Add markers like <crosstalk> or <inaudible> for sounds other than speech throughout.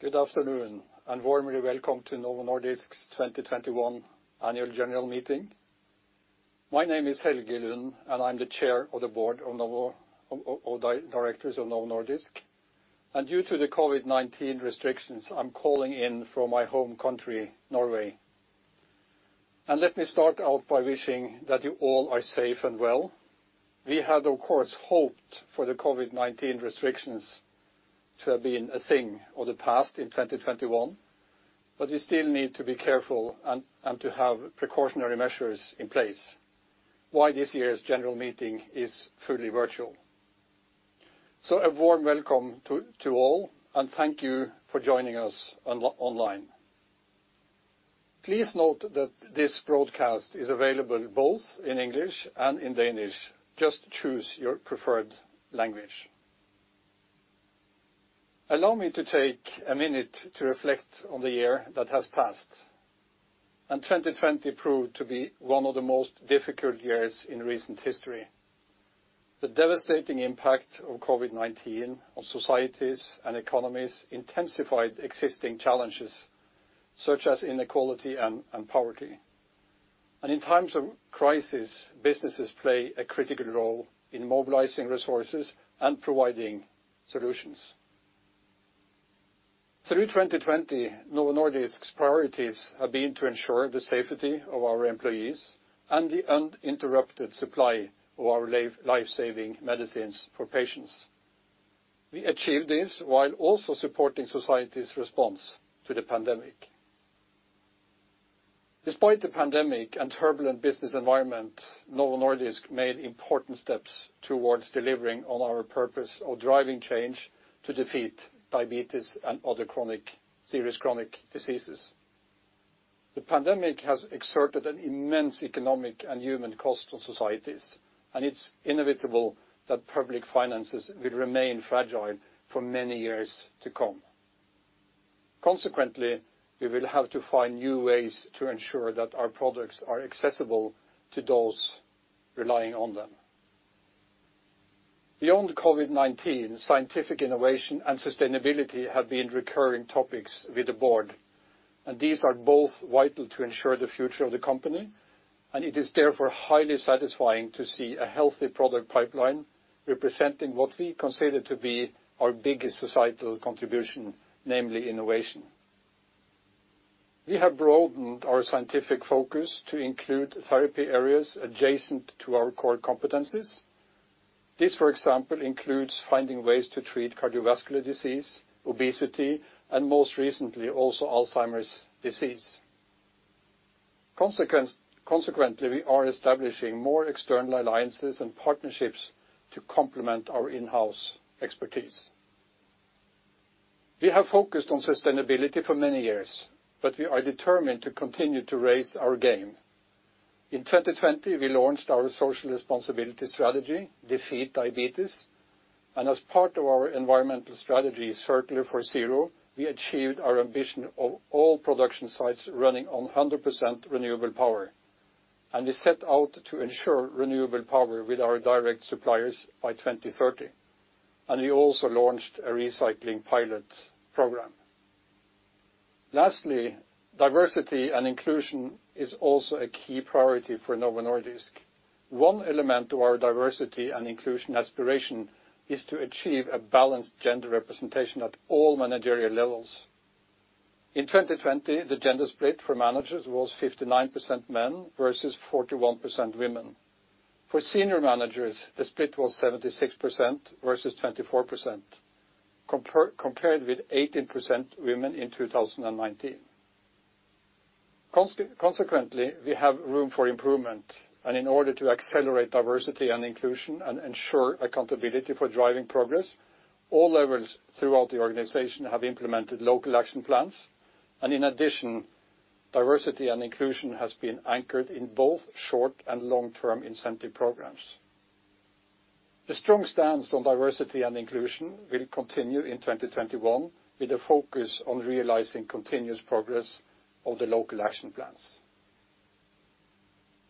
Good afternoon, warmly welcome to Novo Nordisk's 2021 Annual General Meeting. My name is Helge Lund, and I'm the Chair of the Board of Directors of Novo Nordisk. Due to the COVID-19 restrictions, I'm calling in from my home country, Norway. Let me start out by wishing that you all are safe and well. We had, of course, hoped for the COVID-19 restrictions to have been a thing of the past in 2021, but we still need to be careful and to have precautionary measures in place, why this year's general meeting is fully virtual. A warm welcome to all, and thank you for joining us online. Please note that this broadcast is available both in English and in Danish. Just choose your preferred language. Allow me to take a minute to reflect on the year that has passed. 2020 proved to be one of the most difficult years in recent history. The devastating impact of COVID-19 on societies and economies intensified existing challenges, such as inequality and poverty. In times of crisis, businesses play a critical role in mobilizing resources and providing solutions. Through 2020, Novo Nordisk's priorities have been to ensure the safety of our employees and the uninterrupted supply of our life-saving medicines for patients. We achieved this while also supporting society's response to the pandemic. Despite the pandemic and turbulent business environment, Novo Nordisk made important steps towards delivering on our purpose of driving change to Defeat Diabetes and other serious chronic diseases. The pandemic has exerted an immense economic and human cost on societies, and it's inevitable that public finances will remain fragile for many years to come. Consequently, we will have to find new ways to ensure that our products are accessible to those relying on them. Beyond COVID-19, scientific innovation and sustainability have been recurring topics with the board, and these are both vital to ensure the future of the company, and it is therefore highly satisfying to see a healthy product pipeline representing what we consider to be our biggest societal contribution, namely innovation. We have broadened our scientific focus to include therapy areas adjacent to our core competencies. This, for example, includes finding ways to treat cardiovascular disease, obesity, and most recently, also Alzheimer's disease. Consequently, we are establishing more external alliances and partnerships to complement our in-house expertise. We have focused on sustainability for many years, but we are determined to continue to raise our game. In 2020, we launched our social responsibility strategy, Defeat Diabetes, and as part of our environmental strategy, Circular for Zero, we achieved our ambition of all production sites running on 100% renewable power, and we set out to ensure renewable power with our direct suppliers by 2030. We also launched a recycling pilot program. Lastly, diversity and inclusion is also a key priority for Novo Nordisk. One element to our diversity and inclusion aspiration is to achieve a balanced gender representation at all managerial levels. In 2020, the gender split for managers was 59% men versus 41% women. For senior managers, the split was 76% versus 24%, compared with 18% women in 2019. Consequently, we have room for improvement, and in order to accelerate diversity and inclusion and ensure accountability for driving progress, all levels throughout the organization have implemented local action plans. In addition, diversity and inclusion has been anchored in both short and long-term incentive programs. The strong stance on diversity and inclusion will continue in 2021, with a focus on realizing continuous progress of the local action plans.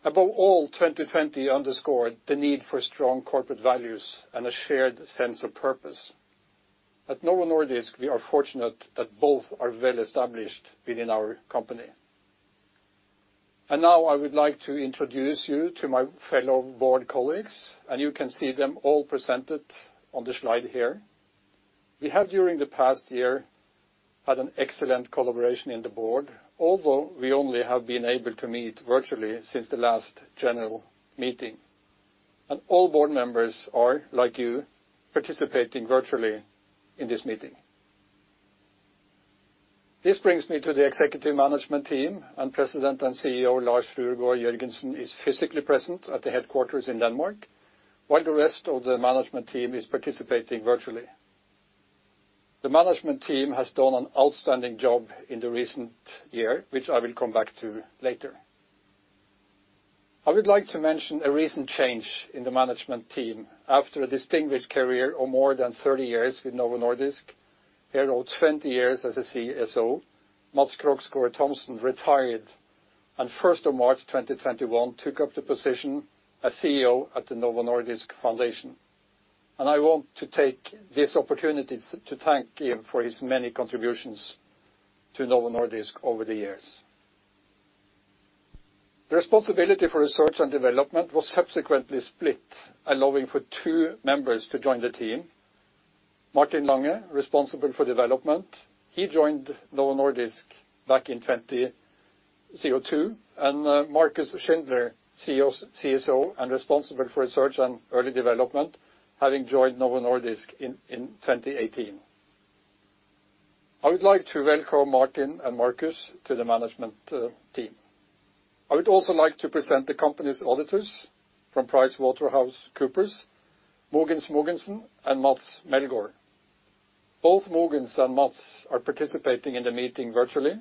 Above all, 2020 underscored the need for strong corporate values and a shared sense of purpose. At Novo Nordisk, we are fortunate that both are well established within our company. Now I would like to introduce you to my fellow board colleagues, and you can see them all presented on the slide here. We have, during the past year, had an excellent collaboration in the board, although we only have been able to meet virtually since the last general meeting. All board members are, like you, participating virtually in this meeting. This brings me to the Executive Management Team. President and CEO Lars Fruergaard Jørgensen is physically present at the headquarters in Denmark, while the rest of the management team is participating virtually. The management team has done an outstanding job in the recent year, which I will come back to later. I would like to mention a recent change in the management team. After a distinguished career of more than 30 years with Novo Nordisk, thereof 20 years as a CSO, Mads Krogsgaard Thomsen retired. On March 1, 2021, he took up the position as CEO at the Novo Nordisk Foundation. I want to take this opportunity to thank him for his many contributions to Novo Nordisk over the years. The responsibility for Research and Development was subsequently split, allowing for two members to join the team. Martin Lange, responsible for Development. He joined Novo Nordisk back in 2002. Marcus Schindler, CSO and responsible for research and early development, having joined Novo Nordisk in 2018. I would like to welcome Martin and Marcus to the management team. I would also like to present the company's auditors from PricewaterhouseCoopers, Mogens Mogensen and Mads Melgaard. Both Mogens and Mads are participating in the meeting virtually.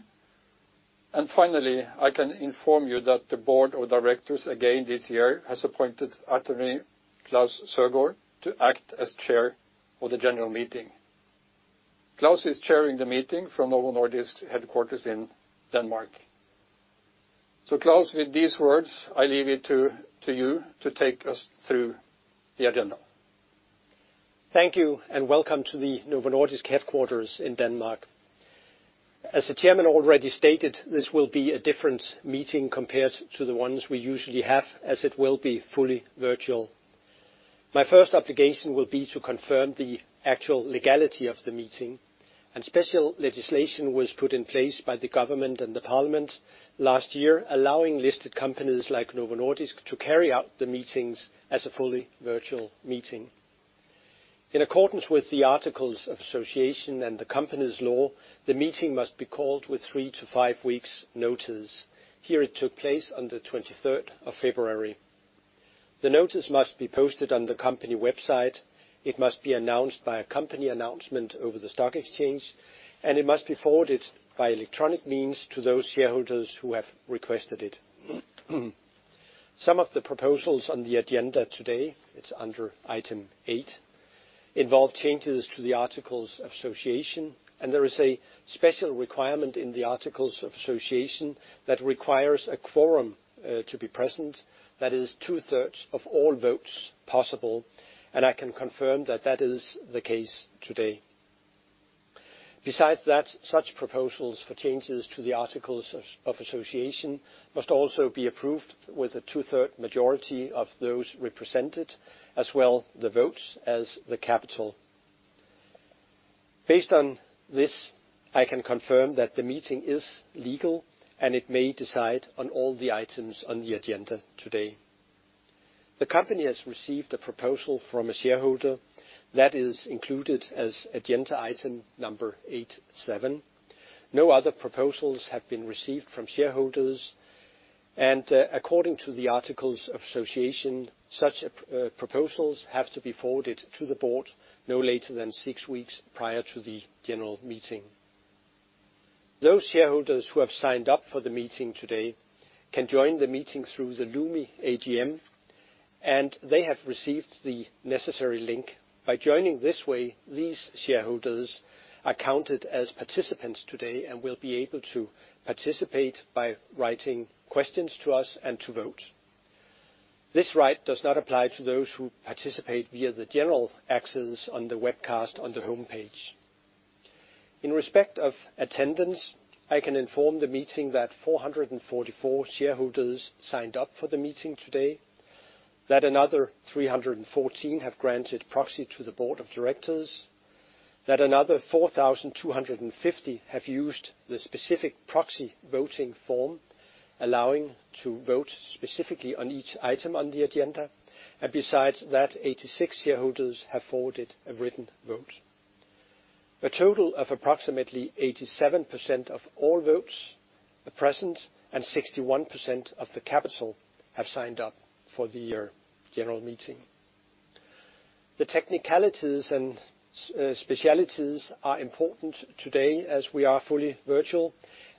Finally, I can inform you that the board of directors, again this year, has appointed attorney Klaus Søgaard to act as chair of the general meeting. Klaus is chairing the meeting from Novo Nordisk headquarters in Denmark. Klaus, with these words, I leave it to you to take us through the agenda. Thank you, and welcome to the Novo Nordisk headquarters in Denmark. As the chairman already stated, this will be a different meeting compared to the ones we usually have, as it will be fully virtual. My first obligation will be to confirm the actual legality of the meeting, and special legislation was put in place by the government and the parliament last year, allowing listed companies like Novo Nordisk to carry out the meetings as a fully virtual meeting. In accordance with the articles of association and the company's law, the meeting must be called with three to five weeks notice. Here it took place on the 23rd of February. The notice must be posted on the company website, it must be announced by a company announcement over the stock exchange, and it must be forwarded by electronic means to those shareholders who have requested it. Some of the proposals on the agenda today, it's under item eight, involve changes to the articles of association, and there is a special requirement in the articles of association that requires a quorum to be present. That is two-thirds of all votes possible, and I can confirm that that is the case today. Besides that, such proposals for changes to the articles of association must also be approved with a two-third majority of those represented, as well the votes as the capital. Based on this, I can confirm that the meeting is legal and it may decide on all the items on the agenda today. The company has received a proposal from a shareholder that is included as agenda item number 87. No other proposals have been received from shareholders, and according to the articles of association, such proposals have to be forwarded to the board no later than six weeks prior to the general meeting. Those shareholders who have signed up for the meeting today can join the meeting through the LUMI AGM, and they have received the necessary link. By joining this way, these shareholders are counted as participants today and will be able to participate by writing questions to us and to vote. This right does not apply to those who participate via the general access on the webcast on the homepage. In respect of attendance, I can inform the meeting that 444 shareholders signed up for the meeting today. That another 314 have granted proxy to the board of directors. That another 4,250 have used the specific proxy voting form, allowing to vote specifically on each item on the agenda. Besides that, 86 shareholders have forwarded a written vote. A total of approximately 87% of all votes are present, and 61% of the capital have signed up for the year general meeting. The technicalities and specialties are important today as we are fully virtual,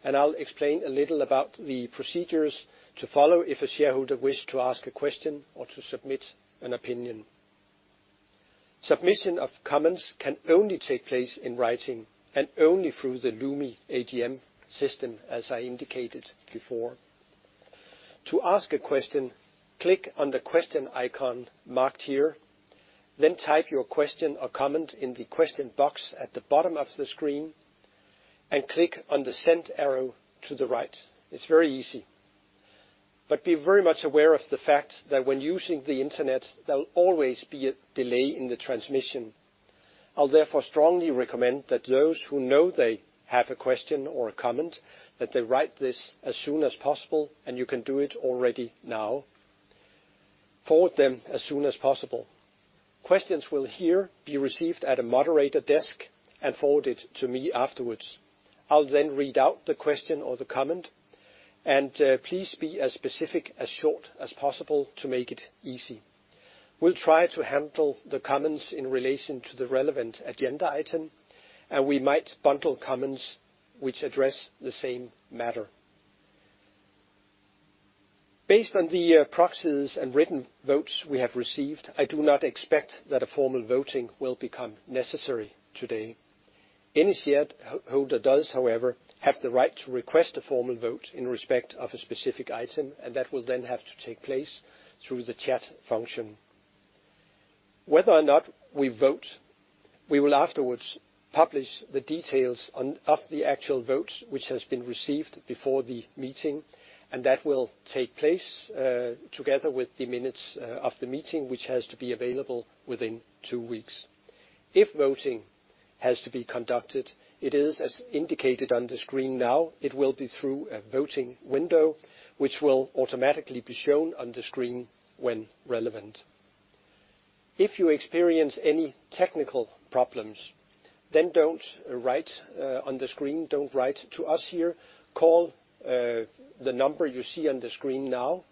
and I'll explain a little about the procedures to follow if a shareholder wishes to ask a question or to submit an opinion. Submission of comments can only take place in writing and only through the LUMI AGM system, as I indicated before. To ask a question, click on the question icon marked here, then type your question or comment in the question box at the bottom of the screen, and click on the send arrow to the right. It's very easy. Be very much aware of the fact that when using the internet, there will always be a delay in the transmission. I'll therefore strongly recommend that those who know they have a question or a comment, that they write this as soon as possible, and you can do it already now. Forward them as soon as possible. Questions will here be received at a moderator desk and forwarded to me afterwards. I'll then read out the question or the comment, and please be as specific, as short as possible to make it easy. We'll try to handle the comments in relation to the relevant agenda item, and we might bundle comments which address the same matter. Based on the proxies and written votes we have received, I do not expect that a formal voting will become necessary today. Any shareholder does, however, have the right to request a formal vote in respect of a specific item, and that will then have to take place through the chat function. Whether or not we vote, we will afterwards publish the details of the actual votes which has been received before the meeting, and that will take place, together with the minutes of the meeting, which has to be available within two weeks. If voting has to be conducted, it is as indicated on the screen now, it will be through a voting window, which will automatically be shown on the screen when relevant. If you experience any technical problems, then don't write on the screen. Don't write to us here. Call, the number you see on the screen now,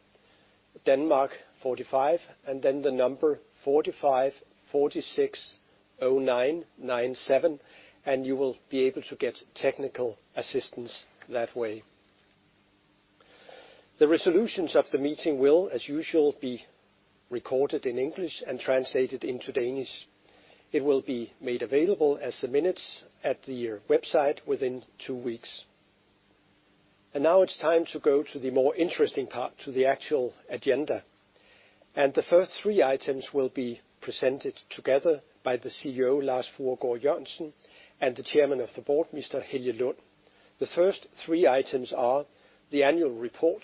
Denmark 45, and then the number 45 46 09 97, and you will be able to get technical assistance that way. The resolutions of the meeting will, as usual, be recorded in English and translated into Danish. It will be made available as the minutes at the website within two weeks. Now it's time to go to the more interesting part, to the actual agenda. The first three items will be presented together by the CEO, Lars Fruergaard Jørgensen, and the Chairman of the Board, Mr. Helge Lund. The first three items are the annual report,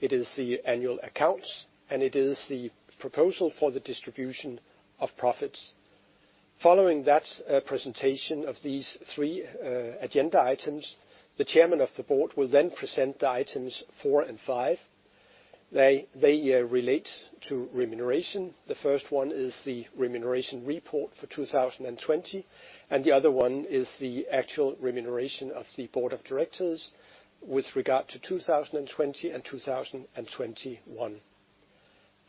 it is the annual accounts, and it is the proposal for the distribution of profits. Following that presentation of these three agenda items, the Chairman of the Board will then present the items four and five. They relate to remuneration. The first one is the remuneration report for 2020, and the other one is the actual remuneration of the Board of Directors with regard to 2020 and 2021.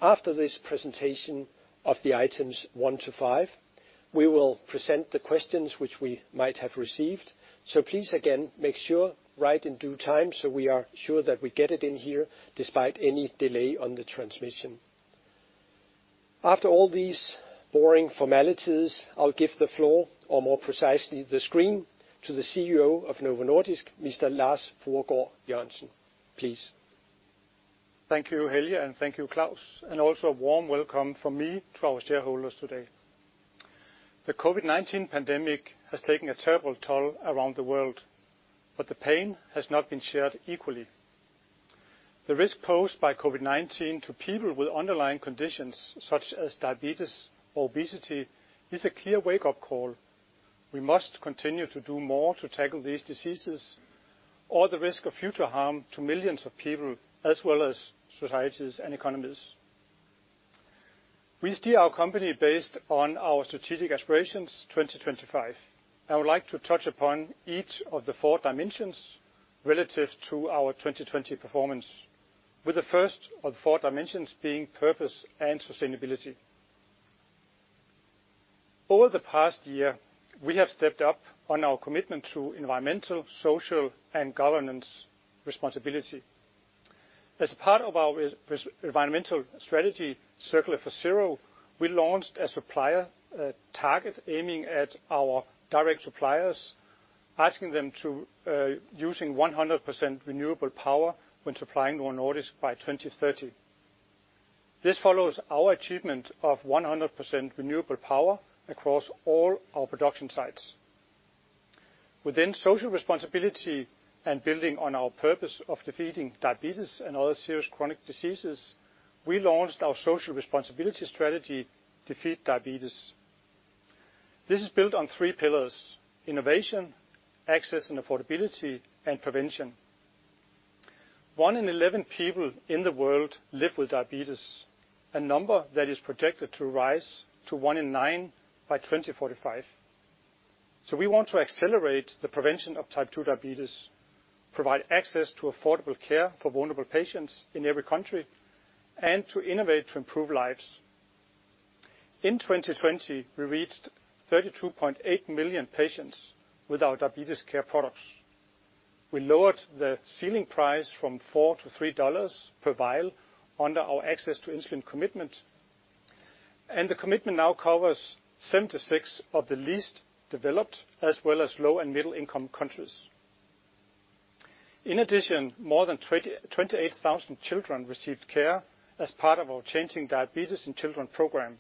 After this presentation of the items one to five, we will present the questions which we might have received. Please again, make sure, write in due time so we are sure that we get it in here despite any delay on the transmission. After all these boring formalities, I'll give the floor, or more precisely, the screen, to the CEO of Novo Nordisk, Mr. Lars Fruergaard Jørgensen. Please. Thank you, Helge, and thank you, Klaus. Also a warm welcome from me to our shareholders today. The COVID-19 pandemic has taken a terrible toll around the world, the pain has not been shared equally. The risk posed by COVID-19 to people with underlying conditions such as diabetes, obesity, is a clear wake-up call. We must continue to do more to tackle these diseases or the risk of future harm to millions of people, as well as societies and economies. We steer our company based on our strategic aspirations 2025. I would like to touch upon each of the four dimensions relative to our 2020 performance, with the first of the four dimensions being purpose and sustainability. Over the past year, we have stepped up on our commitment to environmental, social, and governance responsibility. As part of our environmental strategy, Circular for Zero, we launched a supplier target aiming at our direct suppliers, asking them to using 100% renewable power when supplying Novo Nordisk by 2030. This follows our achievement of 100% renewable power across all our production sites. Within social responsibility and building on our purpose of defeating diabetes and other serious chronic diseases, we launched our social responsibility strategy, Defeat Diabetes. This is built on three pillars: innovation, access and affordability, and prevention. One in 11 people in the world live with diabetes, a number that is projected to rise to one in nine by 2045. We want to accelerate the prevention of Type 2 diabetes, provide access to affordable care for vulnerable patients in every country, and to innovate to improve lives. In 2020, we reached 32.8 million patients with our diabetes care products. We lowered the ceiling price from $4 to $3 per vial under our Access to Insulin commitment. The commitment now covers 76 of the least developed, as well as low and middle income countries. In addition, more than 28,000 children received care as part of our Changing Diabetes in Children program,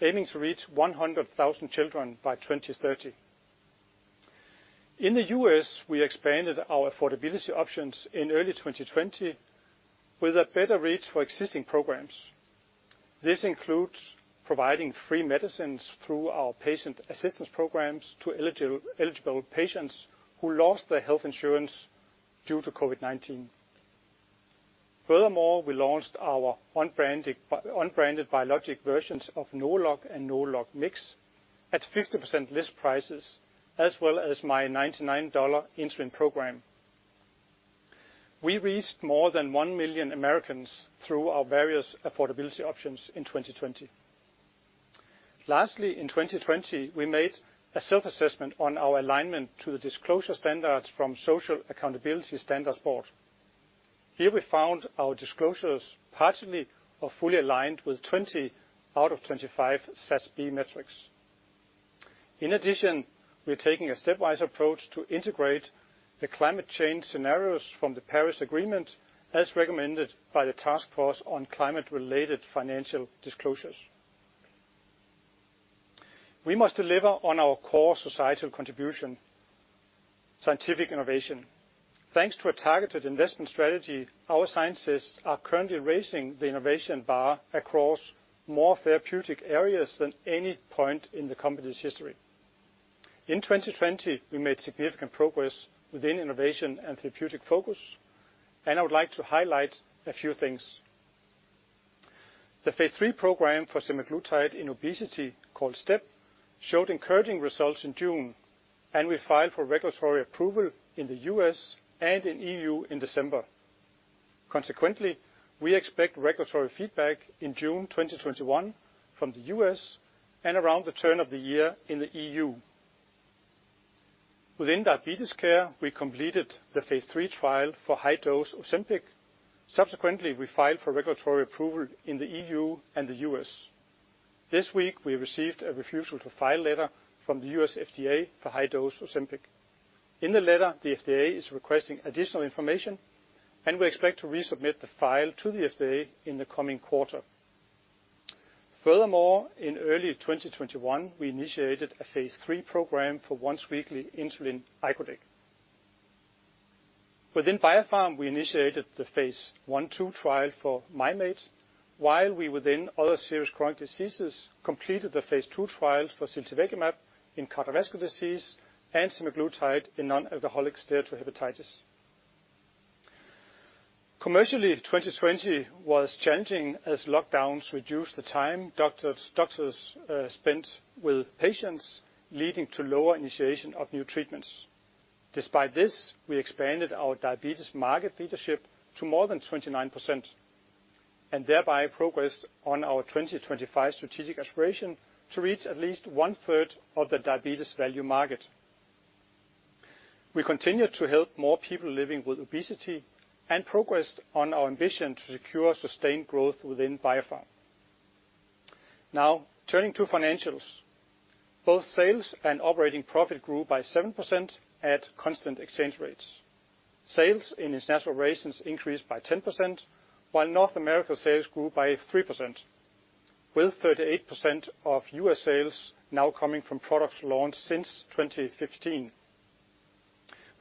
aiming to reach 100,000 children by 2030. In the U.S., we expanded our affordability options in early 2020 with a better reach for existing programs. This includes providing free medicines through our patient assistance programs to eligible patients who lost their health insurance due to COVID-19. Furthermore, we launched our unbranded biologic versions of NovoLog and NovoLog Mix at 50% less prices, as well as My$99Insulin program. We reached more than 1 million Americans through our various affordability options in 2020. Lastly, in 2020, we made a self-assessment on our alignment to the disclosure standards from Sustainability Accounting Standards Board. Here we found our disclosures partially or fully aligned with 20 out of 25 SASB metrics. In addition, we're taking a stepwise approach to integrate the climate change scenarios from the Paris Agreement, as recommended by the task force on climate-related financial disclosures. We must deliver on our core societal contribution, scientific innovation. Thanks to a targeted investment strategy, our scientists are currently raising the innovation bar across more therapeutic areas than any point in the company's history. In 2020, we made significant progress within innovation and therapeutic focus, and I would like to highlight a few things. The phase III program for semaglutide in obesity, called STEP, showed encouraging results in June. We filed for regulatory approval in the U.S. and in E.U. in December. Consequently, we expect regulatory feedback in June 2021 from the U.S., around the turn of the year in the E.U. Within Diabetes Care, we completed the phase III trial for high-dose Ozempic. Subsequently, we filed for regulatory approval in the E.U and the U.S. This week, we received a refusal to file letter from the U.S. FDA for high-dose Ozempic. In the letter, the FDA is requesting additional information. We expect to resubmit the file to the FDA in the coming quarter. Furthermore, in early 2021, we initiated a phase III program for once-weekly insulin icodec. Within Biopharm, we initiated the phase I, II trial for Mim8, while we within other serious chronic diseases completed the phase II trial for ziltivekimab in cardiovascular disease, and semaglutide in non-alcoholic steatohepatitis. Commercially, 2020 was changing as lockdowns reduced the time doctors spent with patients, leading to lower initiation of new treatments. Despite this, we expanded our diabetes market leadership to more than 29%, and thereby progressed on our 2025 strategic aspiration to reach at least one-third of the diabetes value market. We continued to help more people living with obesity and progressed on our ambition to secure sustained growth within Biopharm. Now, turning to financials. Both sales and operating profit grew by 7% at constant exchange rates. Sales in international operations increased by 10%, while North America sales grew by 3%, with 38% of U.S. sales now coming from products launched since 2015.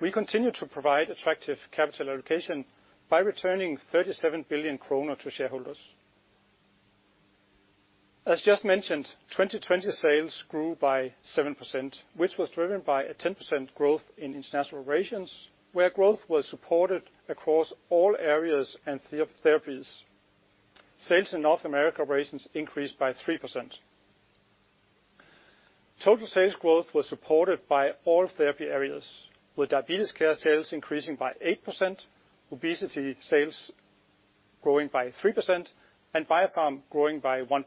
We continue to provide attractive capital allocation by returning 37 billion kroner to shareholders. As just mentioned, 2020 sales grew by 7%, which was driven by a 10% growth in international operations, where growth was supported across all areas and therapies. Sales in North America operations increased by 3%. Total sales growth was supported by all therapy areas, with Diabetes Care sales increasing by 8%, Obesity sales growing by 3%, and Biopharm growing by 1%.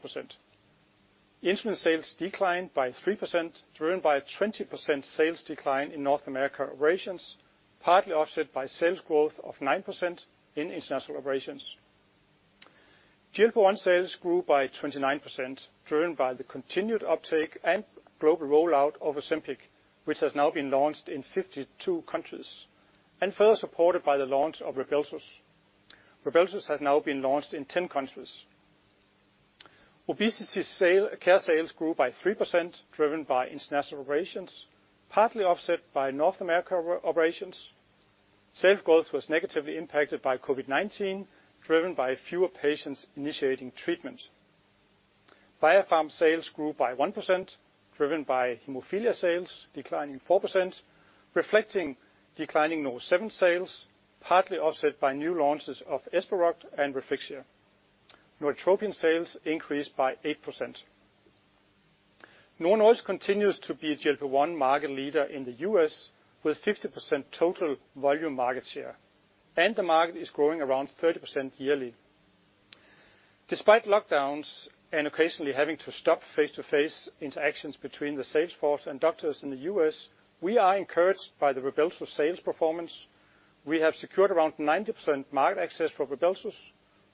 Insulin sales declined by 3%, driven by a 20% sales decline in North America operations, partly offset by sales growth of 9% in international operations. GLP-1 sales grew by 29%, driven by the continued uptake and global rollout of Ozempic, which has now been launched in 52 countries, and further supported by the launch of RYBELSUS. RYBELSUS has now been launched in 10 countries. Obesity care sales grew by 3%, driven by international operations, partly offset by North America operations. Sales growth was negatively impacted by COVID-19, driven by fewer patients initiating treatment. Biopharm sales grew by 1%, driven by hemophilia sales declining 4%, reflecting declining NovoSeven sales, partly offset by new launches of Esperoct and Refixia. Norditropin sales increased by 8%. Novo Nordisk continues to be a GLP-1 market leader in the U.S., with 50% total volume market share, and the market is growing around 30% yearly. Despite lockdowns and occasionally having to stop face-to-face interactions between the sales force and doctors in the U.S., we are encouraged by the RYBELSUS sales performance. We have secured around 90% market access for RYBELSUS.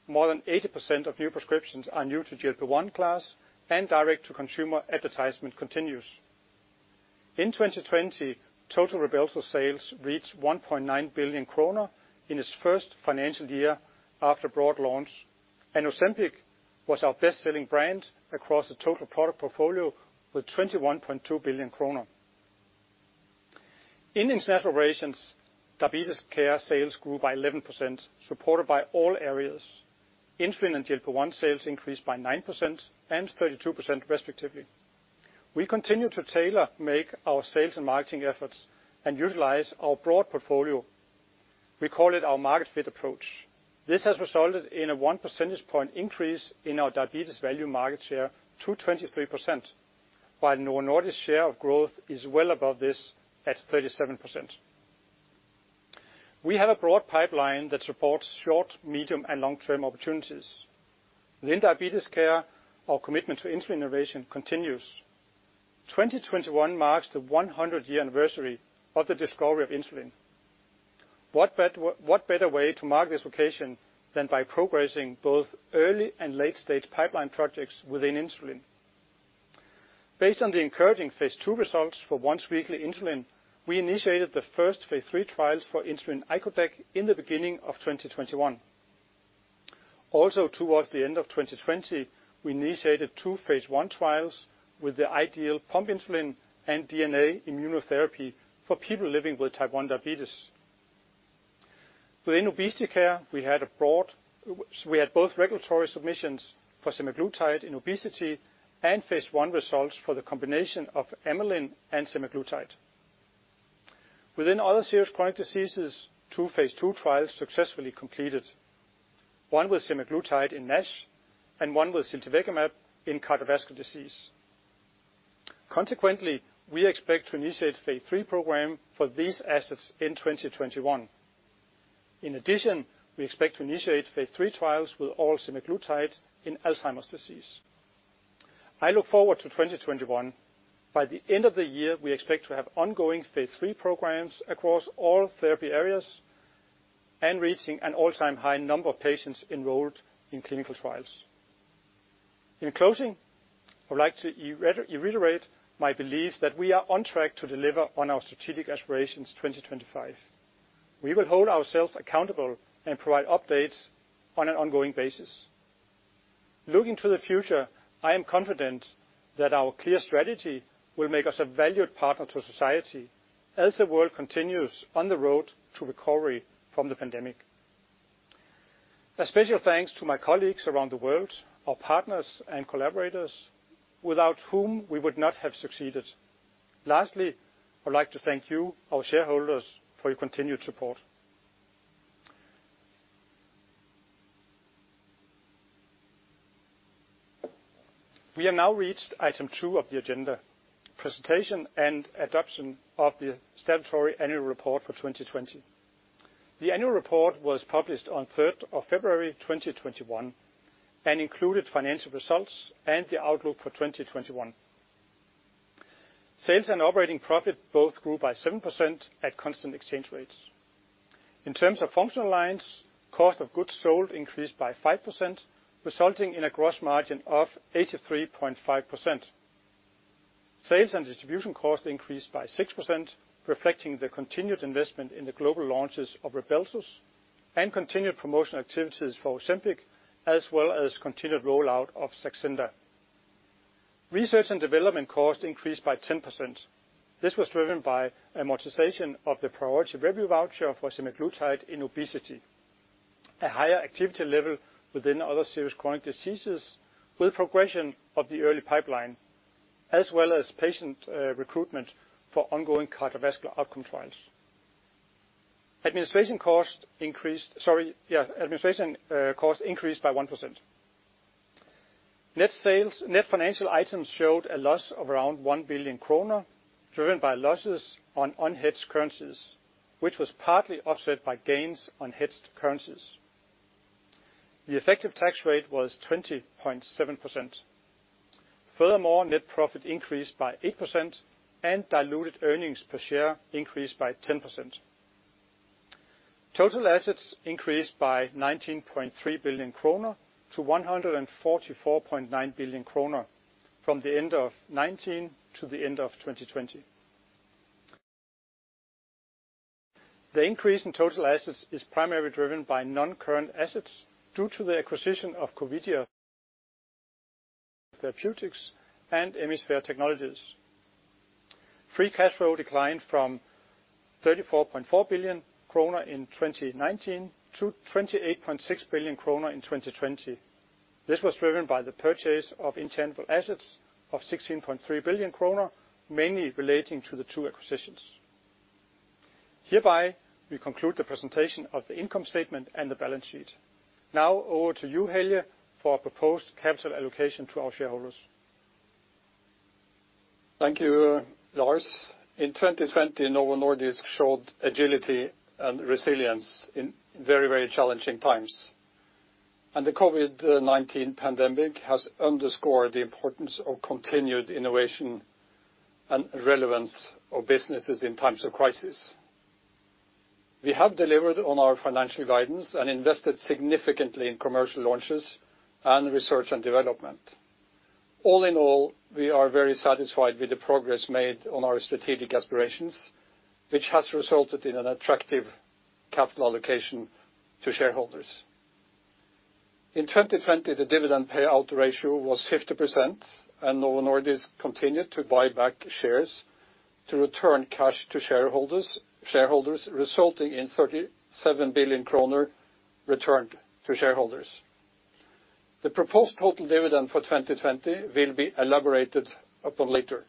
More than 80% of new prescriptions are new to GLP-1 class, and direct-to-consumer advertisement continues. In 2020, total Rybelsus sales reached 1.9 billion kroner in its first financial year after broad launch, and Ozempic was our best-selling brand across the total product portfolio with 21.2 billion kroner. In international operations, Diabetes Care sales grew by 11%, supported by all areas. Insulin and GLP-1 sales increased by 9% and 32% respectively. We continue to tailor-make our sales and marketing efforts and utilize our broad portfolio. We call it our market fit approach. This has resulted in a one percentage point increase in our diabetes value market share to 23%, while Novo Nordisk's share of growth is well above this at 37%. We have a broad pipeline that supports short, medium, and long-term opportunities. Within diabetes care, our commitment to insulin innovation continues. 2021 marks the 100-year anniversary of the discovery of insulin. What better way to mark this occasion than by progressing both early and late-stage pipeline projects within insulin? Based on the encouraging phase II results for once-weekly insulin, we initiated the first phase III trials for insulin icodec in the beginning of 2021. Also, towards the end of 2020, we initiated two phase I trials with the <inaudible> and DNA immunotherapy for people living with type 1 diabetes. Within obesity care, we had both regulatory submissions for semaglutide in obesity and phase I results for the combination of amylin and semaglutide. Within other serious chronic diseases, two phase II trials successfully completed. One with semaglutide in NASH, and one with siltuximab in cardiovascular disease. Consequently, we expect to initiate phase III program for these assets in 2021. In addition, we expect to initiate phase III trials with oral semaglutide in Alzheimer's disease. I look forward to 2021. By the end of the year, we expect to have ongoing phase III programs across all therapy areas and reaching an all-time high number of patients enrolled in clinical trials. In closing, I would like to reiterate my belief that we are on track to deliver on our strategic aspirations 2025. We will hold ourselves accountable and provide updates on an ongoing basis. Looking to the future, I am confident that our clear strategy will make us a valued partner to society as the world continues on the road to recovery from the pandemic. A special thanks to my colleagues around the world, our partners and collaborators, without whom we would not have succeeded. Lastly, I would like to thank you, our shareholders, for your continued support. We have now reached item two of the agenda, presentation and adoption of the statutory annual report for 2020. The annual report was published on 3rd of February 2021 and included financial results and the outlook for 2021. Sales and operating profit both grew by 7% at constant exchange rates. In terms of functional lines, cost of goods sold increased by 5%, resulting in a gross margin of 83.5%. Sales and distribution costs increased by 6%, reflecting the continued investment in the global launches of RYBELSUS and continued promotional activities for Ozempic, as well as continued rollout of Saxenda. Research and development costs increased by 10%. This was driven by amortization of the priority review voucher for semaglutide in obesity, a higher activity level within other serious chronic diseases with progression of the early pipeline, as well as patient recruitment for ongoing cardiovascular outcome trials. Administration costs increased by 1%. Net financial items showed a loss of around 1 billion kroner, driven by losses on unhedged currencies, which was partly offset by gains on hedged currencies. The effective tax rate was 20.7%. Net profit increased by 8% and diluted earnings per share increased by 10%. Total assets increased by 19.3 billion kroner to 144.9 billion kroner from the end of 2019 to the end of 2020. The increase in total assets is primarily driven by non-current assets due to the acquisition of Corvidia Therapeutics and Emisphere Technologies. Free cash flow declined from 34.4 billion kroner in 2019 to 28.6 billion kroner in 2020. This was driven by the purchase of intangible assets of 16.3 billion kroner, mainly relating to the two acquisitions. Hereby, we conclude the presentation of the income statement and the balance sheet. Now, over to you, Helge, for our proposed capital allocation to our shareholders. Thank you, Lars. In 2020, Novo Nordisk showed agility and resilience in very challenging times. The COVID-19 pandemic has underscored the importance of continued innovation and relevance of businesses in times of crisis. We have delivered on our financial guidance and invested significantly in commercial launches and research and development. All in all, we are very satisfied with the progress made on our strategic aspirations, which has resulted in an attractive capital allocation to shareholders. In 2020, the dividend payout ratio was 50% and Novo Nordisk continued to buy back shares to return cash to shareholders, resulting in 37 billion kroner returned to shareholders. The proposed total dividend for 2020 will be elaborated upon later.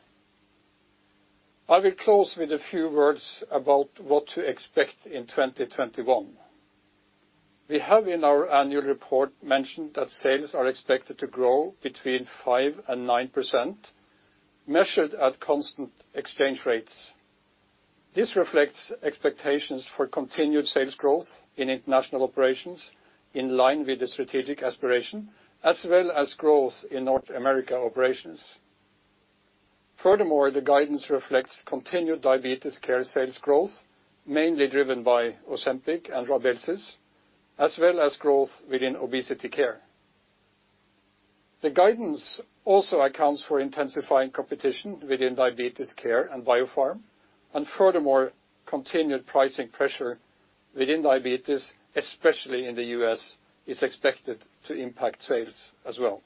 I will close with a few words about what to expect in 2021. We have in our annual report mentioned that sales are expected to grow between 5% and 9%, measured at constant exchange rates. This reflects expectations for continued sales growth in international operations, in line with the strategic aspiration, as well as growth in North America operations. Furthermore, the guidance reflects continued diabetes care sales growth, mainly driven by Ozempic and RYBELSUS, as well as growth within obesity care. The guidance also accounts for intensifying competition within diabetes care and biopharm, and furthermore, continued pricing pressure within diabetes, especially in the U.S., is expected to impact sales as well.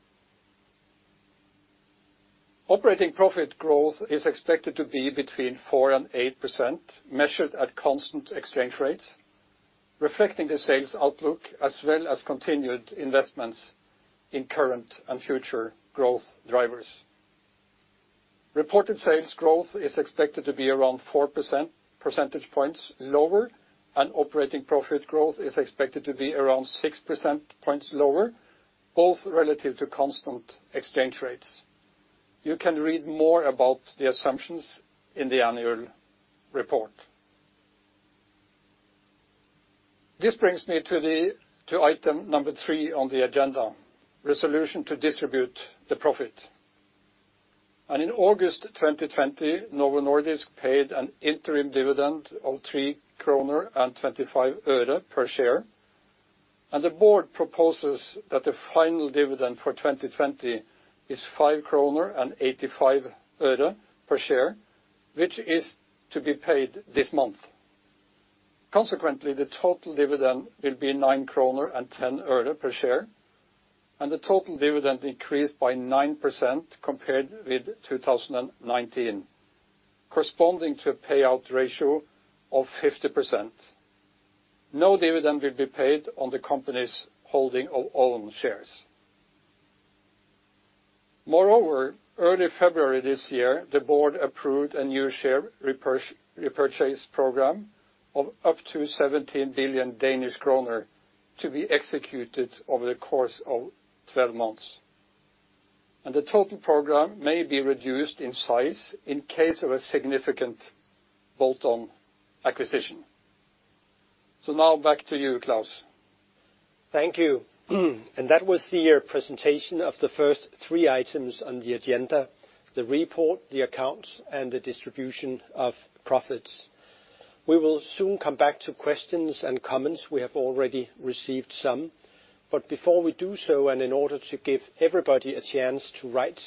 Operating profit growth is expected to be between 4% and 8% measured at constant exchange rates, reflecting the sales outlook as well as continued investments in current and future growth drivers. Reported sales growth is expected to be around four percentage points lower, and operating profit growth is expected to be around six percentage points lower, both relative to constant exchange rates. You can read more about the assumptions in the annual report. This brings me to item number three on the agenda, resolution to distribute the profit. In August 2020, Novo Nordisk paid an interim dividend of 3.25 kroner per share. The board proposes that the final dividend for 2020 is 5.85 kroner per share, which is to be paid this month. Consequently, the total dividend will be DKK 9.10 per share, and the total dividend increased by 9% compared with 2019, corresponding to a payout ratio of 50%. No dividend will be paid on the company's holding of own shares. Moreover, early February this year, the board approved a new share repurchase program of up to 17 billion Danish kroner to be executed over the course of 12 months. The total program may be reduced in size in case of a significant bolt-on acquisition. Now back to you, Klaus. Thank you. That was the presentation of the first three items on the agenda, the report, the accounts, and the distribution of profits. We will soon come back to questions and comments. We have already received some. Before we do so, and in order to give everybody a chance to write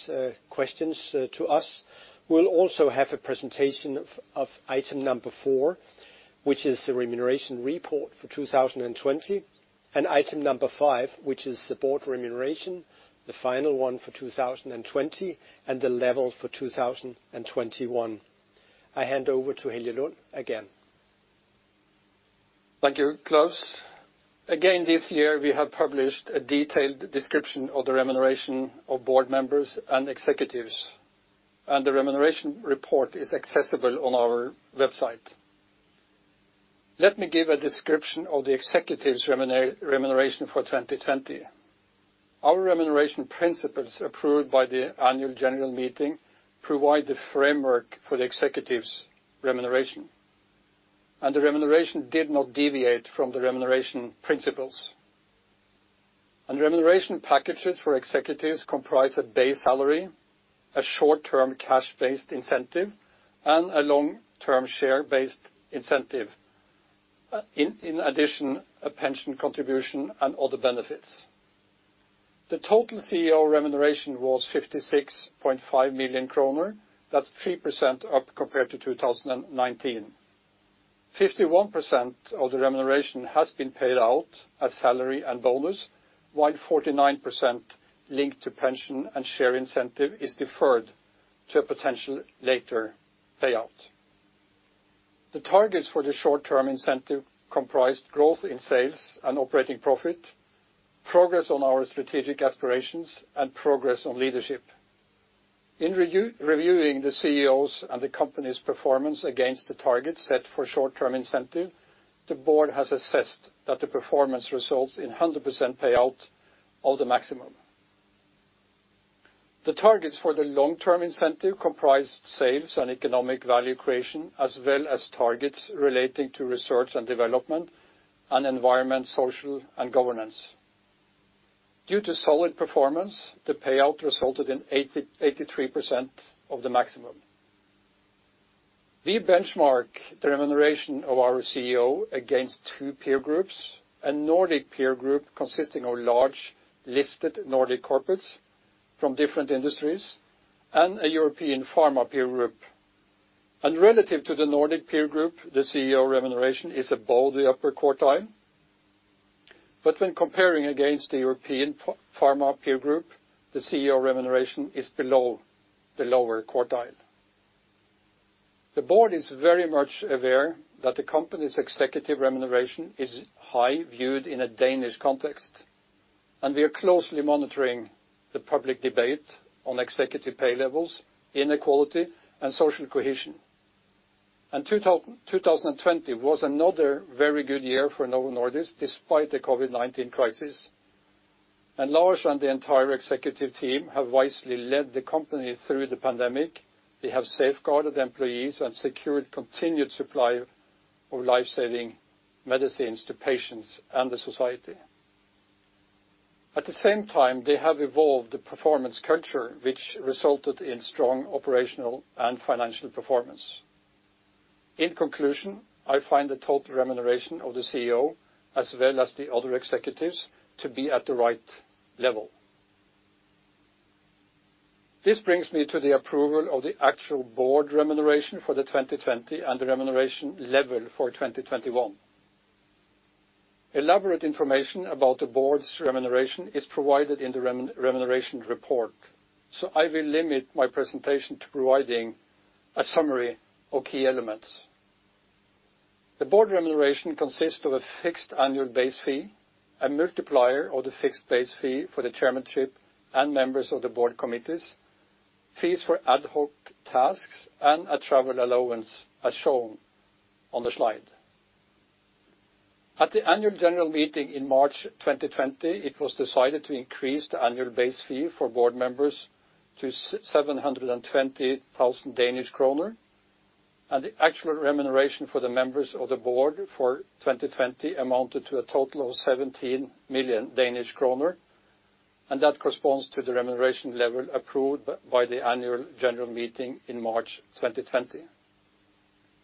questions to us, we will also have a presentation of item number four, which is the remuneration report for 2020, and item number five, which is the board remuneration, the final one for 2020 and the level for 2021. I hand over to Helge Lund again. Thank you, Klaus. Again, this year, we have published a detailed description of the remuneration of board members and executives, the remuneration report is accessible on our website. Let me give a description of the executives' remuneration for 2020. Our remuneration principles approved by the annual general meeting provide the framework for the executives' remuneration, the remuneration did not deviate from the remuneration principles. Remuneration packages for executives comprise a base salary, a short-term cash-based incentive, and a long-term share-based incentive. In addition, a pension contribution and other benefits. The total CEO remuneration was 56.5 million kroner. That's 3% up compared to 2019. 51% of the remuneration has been paid out as salary and bonus, while 49% linked to pension and share incentive is deferred to a potential later payout. The targets for the short-term incentive comprised growth in sales and operating profit, progress on our strategic aspirations, and progress on leadership. In reviewing the CEO's and the company's performance against the targets set for short-term incentive, the board has assessed that the performance results in 100% payout of the maximum. The targets for the long-term incentive comprised sales and economic value creation, as well as targets relating to research and development and environment, social and governance. Due to solid performance, the payout resulted in 83% of the maximum. We benchmark the remuneration of our CEO against two peer groups, a Nordic peer group consisting of large listed Nordic corporates from different industries, and a European pharma peer group. Relative to the Nordic peer group, the CEO remuneration is above the upper quartile. When comparing against the European pharma peer group, the CEO remuneration is below the lower quartile. The board is very much aware that the company's executive remuneration is high viewed in a Danish context, and we are closely monitoring the public debate on executive pay levels, inequality, and social cohesion. 2020 was another very good year for Novo Nordisk, despite the COVID-19 crisis. Lars and the entire executive team have wisely led the company through the pandemic. They have safeguarded employees and secured continued supply of life-saving medicines to patients and the society. At the same time, they have evolved the performance culture, which resulted in strong operational and financial performance. In conclusion, I find the total remuneration of the CEO, as well as the other executives, to be at the right level. This brings me to the approval of the actual board remuneration for 2020 and the remuneration level for 2021. Elaborate information about the board's remuneration is provided in the Remuneration Report. I will limit my presentation to providing a summary of key elements. The board remuneration consists of a fixed annual base fee, a multiplier of the fixed base fee for the chairmanship and members of the board committees, fees for ad hoc tasks, and a travel allowance as shown on the slide. At the annual general meeting in March 2020, it was decided to increase the annual base fee for board members to 720,000 Danish kroner, and the actual remuneration for the members of the board for 2020 amounted to a total of 17 million Danish kroner, and that corresponds to the remuneration level approved by the annual general meeting in March 2020.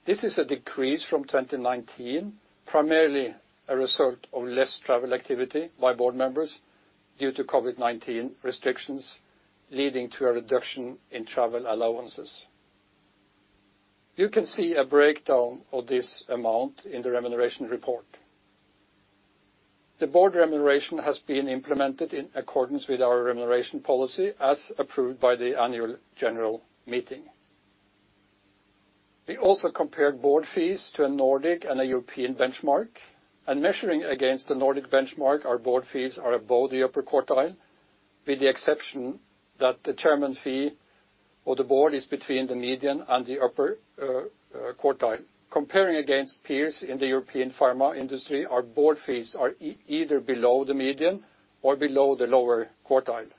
This is a decrease from 2019, primarily a result of less travel activity by board members due to COVID-19 restrictions, leading to a reduction in travel allowances. You can see a breakdown of this amount in the Remuneration Report. The board remuneration has been implemented in accordance with our remuneration policy, as approved by the annual general meeting. We also compared board fees to a Nordic and a European benchmark. Measuring against the Nordic benchmark, our board fees are above the upper quartile, with the exception that the chairman fee of the board is between the median and the upper quartile. Comparing against peers in the European pharma industry, our board fees are either below the median or below the lower quartile.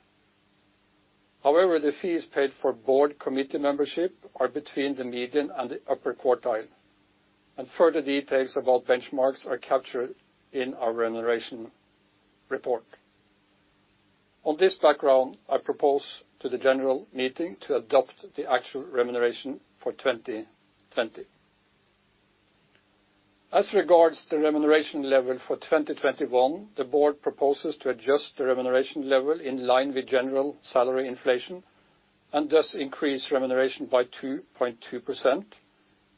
However, the fees paid for board committee membership are between the median and the upper quartile. Further details about benchmarks are captured in our Remuneration Report. On this background, I propose to the general meeting to adopt the actual remuneration for 2020. As regards the remuneration level for 2021, the board proposes to adjust the remuneration level in line with general salary inflation and thus increase remuneration by 2.2%,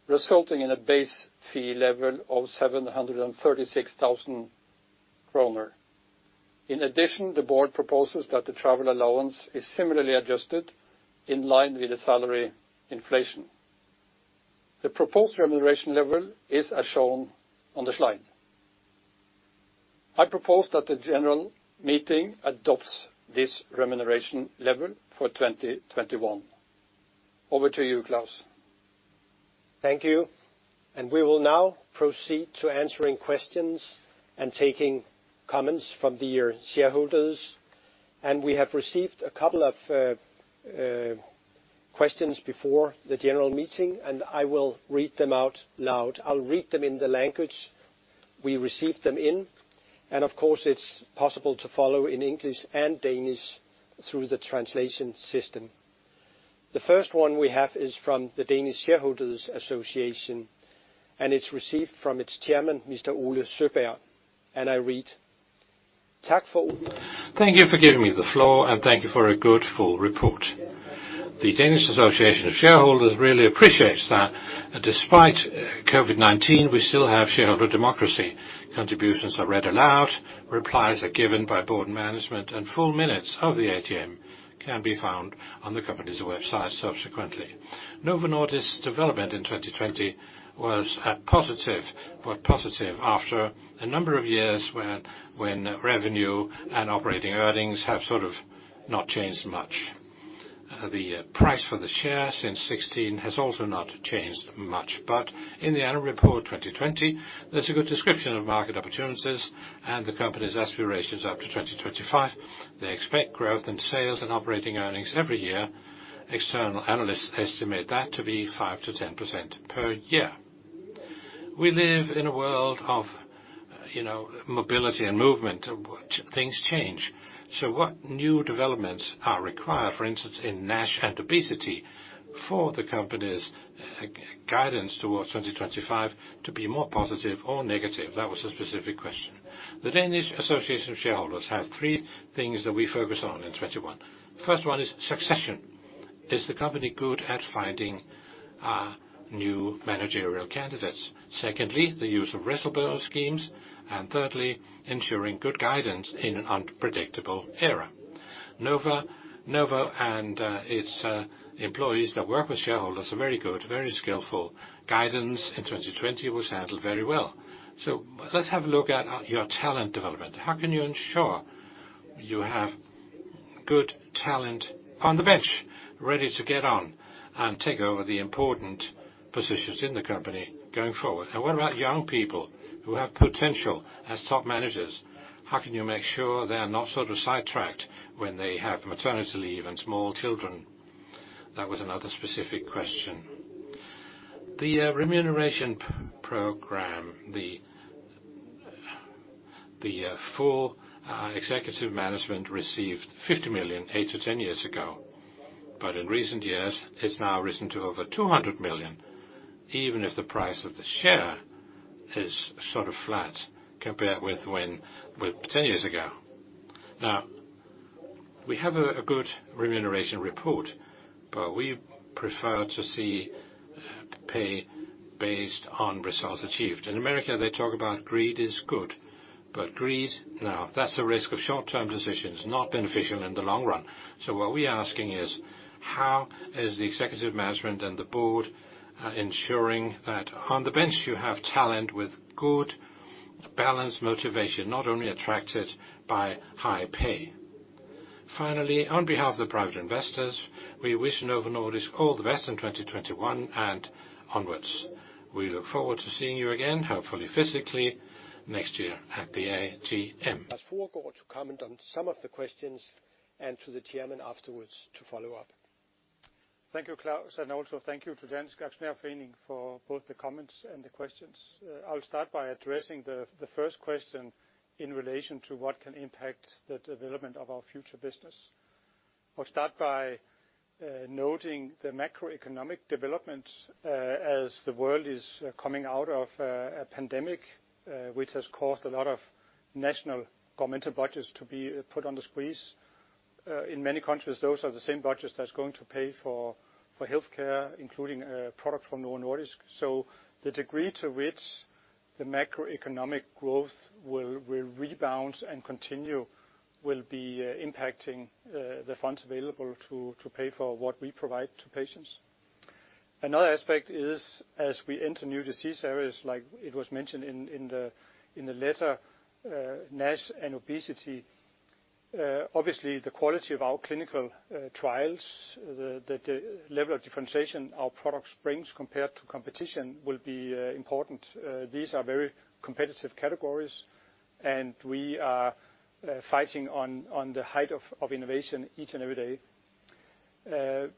resulting in a base fee level of 736,000 kroner. In addition, the board proposes that the travel allowance is similarly adjusted in line with the salary inflation. The proposed remuneration level is as shown on the slide. I propose that the general meeting adopts this remuneration level for 2021. Over to you, Klaus. Thank you. We will now proceed to answering questions and taking comments from the shareholders. We have received a couple of questions before the general meeting, and I will read them out loud. I'll read them in the language we received them in, and of course, it's possible to follow in English and Danish through the translation system. The first one we have is from the Danish Shareholders Association, and it's received from its chairman, Mr. Ole Søeberg, and I read. Thank you for giving me the floor, and thank you for a good, full report. The Danish Shareholders Association really appreciates that despite COVID-19, we still have shareholder democracy. Full minutes of the AGM can be found on the company's website subsequently. Novo Nordisk development in 2020 was positive after a number of years when revenue and operating earnings have sort of not changed much. The price for the share since 2016 has also not changed much. In the annual report 2020, there's a good description of market opportunities and the company's aspirations up to 2025. They expect growth in sales and operating earnings every year. External analysts estimate that to be 5%-10% per year. We live in a world of mobility and movement. Things change. What new developments are required, for instance, in NASH and obesity, for the company's guidance towards 2025 to be more positive or negative? That was a specific question. The Danish Association of Shareholders have three things that we focus on in 2021. First one is succession. Is the company good at finding new managerial candidates? Secondly, the use of wrestle schemes. Thirdly, ensuring good guidance in an unpredictable era. Novo and its employees that work with shareholders are very good, very skillful. Guidance in 2020 was handled very well. Let's have a look at your talent development. How can you ensure you have good talent on the bench ready to get on and take over the important positions in the company going forward. What about young people who have potential as top managers? How can you make sure they are not sidetracked when they have maternity leave and small children? That was another specific question. The remuneration program, the full executive management received 50 million eight to 10 years ago, but in recent years, it's now risen to over 200 million, even if the price of the share is sort of flat compared with 10 years ago. We have a good remuneration report. We prefer to see pay based on results achieved. In the U.S., they talk about greed is good. Greed, now, that's a risk of short-term decisions, not beneficial in the long run. What we are asking is, how is the executive management and the board ensuring that on the bench you have talent with good, balanced motivation, not only attracted by high pay? On behalf of the private investors, we wish Novo Nordisk all the best in 2021 and onwards. We look forward to seeing you again, hopefully physically, next year at the AGM. Lars Fruergaard to comment on some of the questions, and to the Chairman afterwards to follow up. Thank you, Klaus, and also thank you to Dansk Aktionærforening for both the comments and the questions. I'll start by addressing the first question in relation to what can impact the development of our future business. I'll start by noting the macroeconomic development, as the world is coming out of a pandemic, which has caused a lot of national government budgets to be put under squeeze. In many countries, those are the same budgets that's going to pay for healthcare, including a product from Novo Nordisk. The degree to which the macroeconomic growth will rebound and continue will be impacting the funds available to pay for what we provide to patients. Another aspect is, as we enter new disease areas, like it was mentioned in the letter, NASH and obesity, obviously the quality of our clinical trials, the level of differentiation our products brings compared to competition will be important. These are very competitive categories, and we are fighting on the height of innovation each and every day.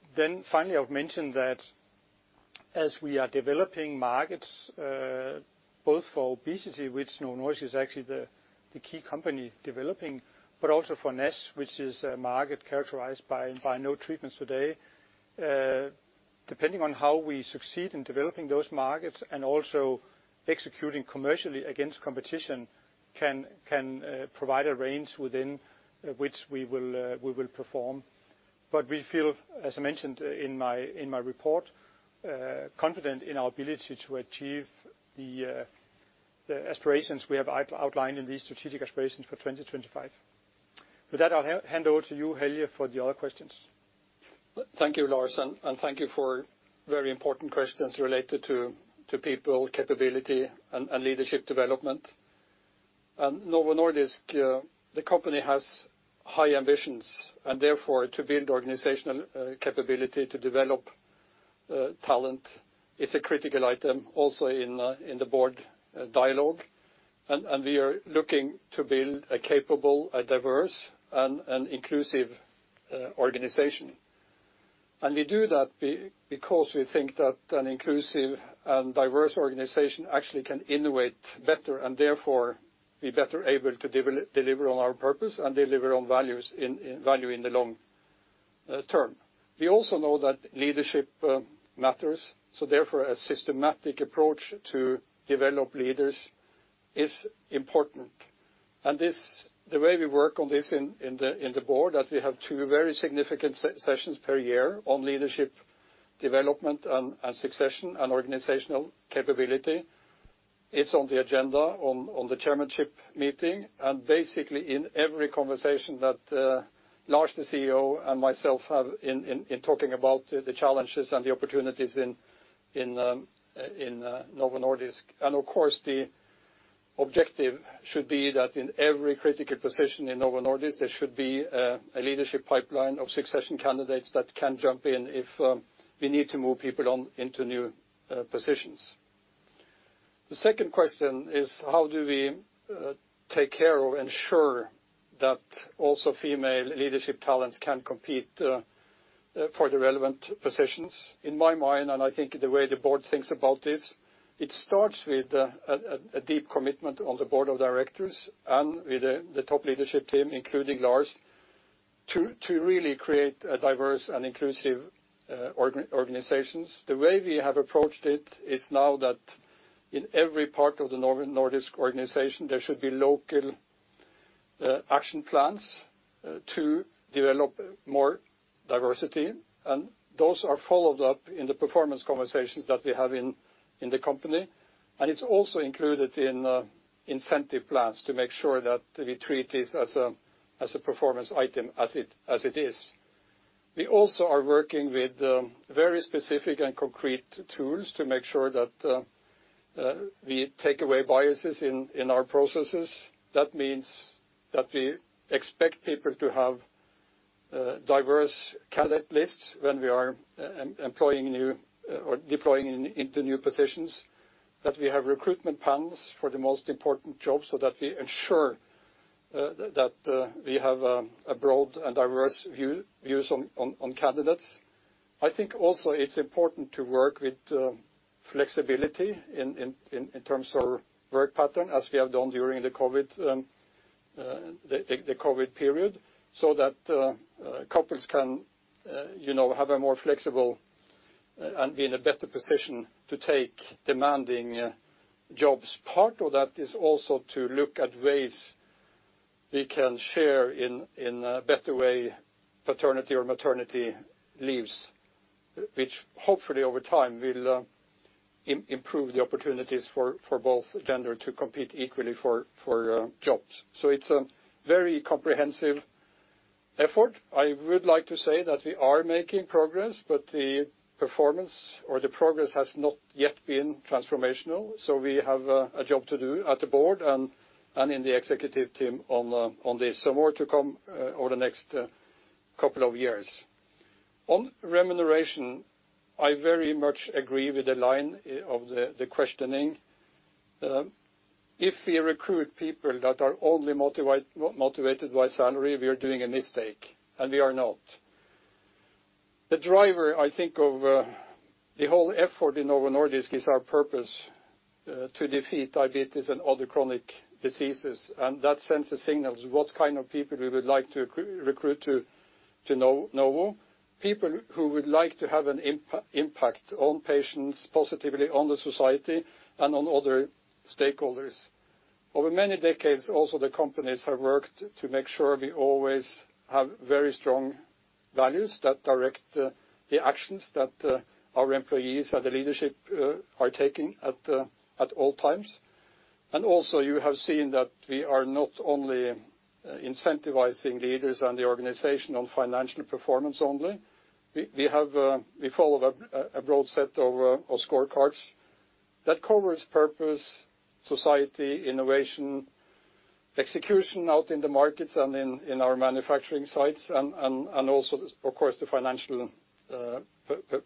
Finally, I've mentioned that as we are developing markets, both for obesity, which Novo Nordisk is actually the key company developing, but also for NASH, which is a market characterized by no treatments today. Depending on how we succeed in developing those markets and also executing commercially against competition can provide a range within which we will perform. We feel, as I mentioned in my report, confident in our ability to achieve the aspirations we have outlined in these strategic aspirations for 2025. With that, I'll hand over to you, Helge, for the other questions. Thank you, Lars, thank you for very important questions related to people capability and leadership development. Novo Nordisk, the company has high ambitions, therefore, to build organizational capability to develop talent is a critical item also in the board dialogue. We are looking to build a capable, a diverse, and inclusive organization. We do that because we think that an inclusive and diverse organization actually can innovate better, and therefore, be better able to deliver on our purpose and deliver on value in the long term. We also know that leadership matters, therefore, a systematic approach to develop leaders is important. The way we work on this in the board, that we have two very significant sessions per year on leadership development and succession and organizational capability. It's on the agenda on the chairmanship meeting, basically in every conversation that Lars, the CEO, and myself have in talking about the challenges and the opportunities in Novo Nordisk. Of course, the objective should be that in every critical position in Novo Nordisk, there should be a leadership pipeline of succession candidates that can jump in if we need to move people on into new positions. The second question is how do we take care or ensure that also female leadership talents can compete for the relevant positions? In my mind, I think the way the board thinks about this, it starts with a deep commitment on the board of directors and with the top leadership team, including Lars, to really create a diverse and inclusive organizations. The way we have approached it is now that in every part of the Novo Nordisk organization, there should be local action plans to develop more diversity, and those are followed up in the performance conversations that we have in the company. It's also included in incentive plans to make sure that we treat this as a performance item as it is. We also are working with very specific and concrete tools to make sure that we take away biases in our processes. That means that we expect people to have diverse candidate lists when we are employing new or deploying into new positions. That we have recruitment plans for the most important jobs, so that we ensure that we have a broad and diverse views on candidates. I think also it's important to work with flexibility in terms of work pattern as we have done during the COVID-19 period, so that couples can have a more flexible and be in a better position to take demanding jobs. Part of that is also to look at ways we can share in a better way, paternity or maternity leaves, which hopefully over time will improve the opportunities for both gender to compete equally for jobs. It's a very comprehensive effort. I would like to say that we are making progress, but the performance or the progress has not yet been transformational. We have a job to do at the board and in the executive team on this. More to come over the next couple of years. On remuneration, I very much agree with the line of the questioning. If we recruit people that are only motivated by salary, we are doing a mistake, and we are not. The driver, I think of the whole effort in Novo Nordisk is our purpose to Defeat Diabetes and other chronic diseases, and that sends a signal of what kind of people we would like to recruit to Novo. People who would like to have an impact on patients positively, on the society, and on other stakeholders. Over many decades, also the companies have worked to make sure we always have very strong values that direct the actions that our employees and the leadership are taking at all times. Also you have seen that we are not only incentivizing leaders and the organization on financial performance only. We follow a broad set of scorecards that covers purpose, society, innovation, execution out in the markets and in our manufacturing sites and also, of course, the financial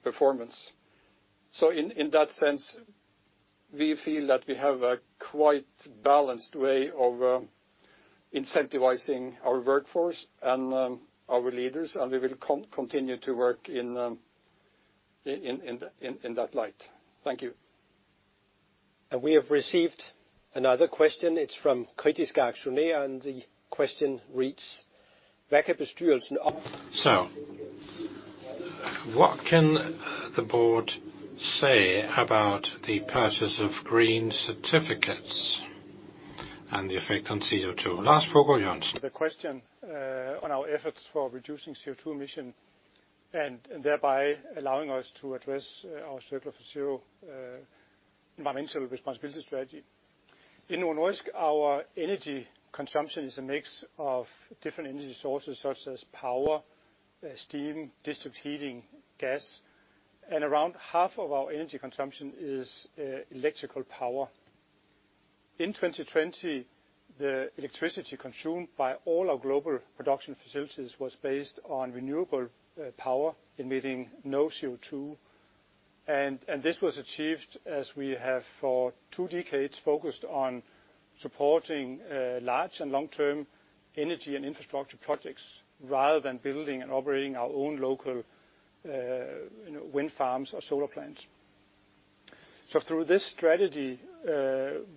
performance. In that sense, we feel that we have a quite balanced way of incentivizing our workforce and our leaders, and we will continue to work in that light. Thank you. We have received another question. It's from Kritiske Aktionærer. The question reads: What can the board say about the purchase of green certificates and the effect on CO2? Lars Fruergaard Jørgensen. The question on our efforts for reducing CO2 emission and thereby allowing us to address our Circular for Zero environmental responsibility strategy. In Novo Nordisk, our energy consumption is a mix of different energy sources, such as power, steam, district heating, gas, and around half of our energy consumption is electrical power. In 2020, the electricity consumed by all our global production facilities was based on renewable power, emitting no CO2. This was achieved as we have for two decades focused on supporting large and long-term energy and infrastructure projects rather than building and operating our own local wind farms or solar plants. Through this strategy,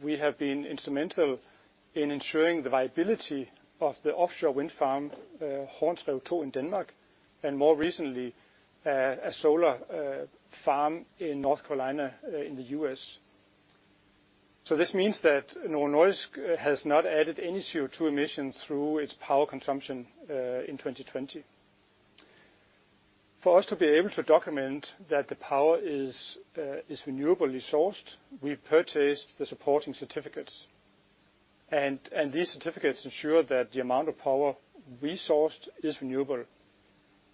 we have been instrumental in ensuring the viability of the offshore wind farm, Horns Rev 2, in Denmark, and more recently, a solar farm in North Carolina in the U.S. This means that Novo Nordisk has not added any CO2 emission through its power consumption in 2020. For us to be able to document that the power is renewably sourced, we purchased the supporting certificates. These certificates ensure that the amount of power we sourced is renewable.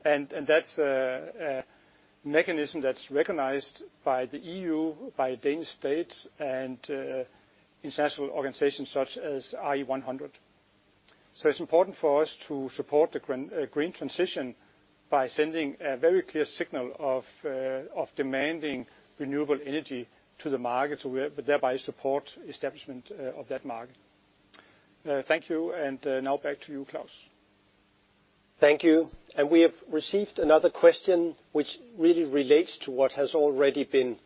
That's a mechanism that's recognized by the EU, by Danish states, and international organizations such as RE100. It's important for us to support the green transition by sending a very clear signal of demanding renewable energy to the market to thereby support establishment of that market. Thank you, and now back to you, Klaus. Thank you. We have received another question which really relates to what has already been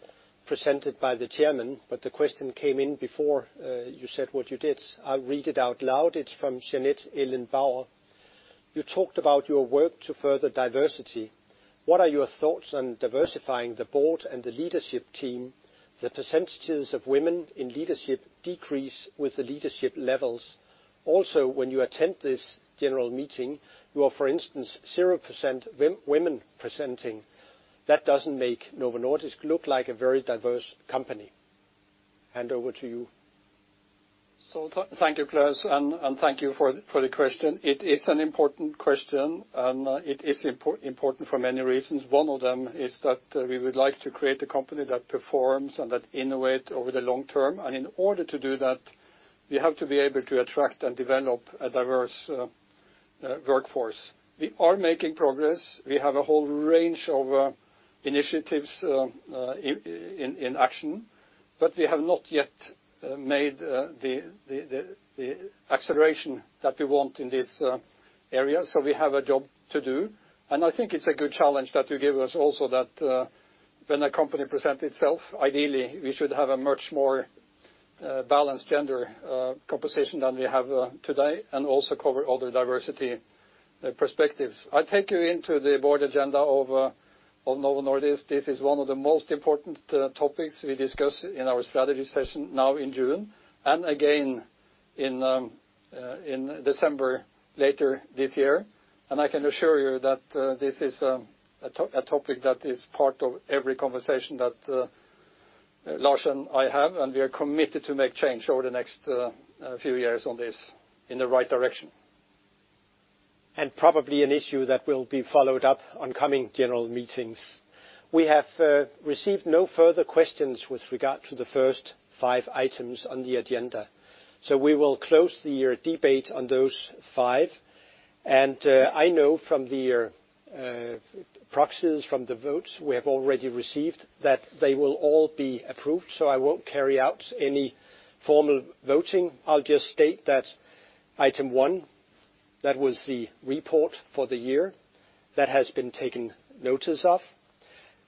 presented by the Chairman, but the question came in before you said what you did. I'll read it out loud. It's from Jeanette Ellen Bauer. You talked about your work to further diversity. What are your thoughts on diversifying the board and the leadership team? The percentages of women in leadership decrease with the leadership levels. When you attend this general meeting, you are, for instance, 0% women presenting. That doesn't make Novo Nordisk look like a very diverse company. Hand over to you. Thank you, Klaus, and thank you for the question. It is an important question, and it is important for many reasons. One of them is that we would like to create a company that performs and that innovate over the long term. In order to do that, we have to be able to attract and develop a diverse workforce. We are making progress. We have a whole range of initiatives in action, but we have not yet made the acceleration that we want in this area, so we have a job to do. I think it's a good challenge that you give us also that when a company present itself, ideally, we should have a much more balanced gender composition than we have today, and also cover other diversity perspectives. I take you into the board agenda of Novo Nordisk. This is one of the most important topics we discuss in our strategy session now in June and again in December, later this year. I can assure you that this is a topic that is part of every conversation that Lars and I have, and we are committed to make change over the next few years on this in the right direction. Probably an issue that will be followed up on coming general meetings. We have received no further questions with regard to the first five items on the agenda. We will close the debate on those five. I know from the proxies, from the votes we have already received that they will all be approved, so I won't carry out any formal voting. I'll just state that item one, that was the report for the year. That has been taken notice of.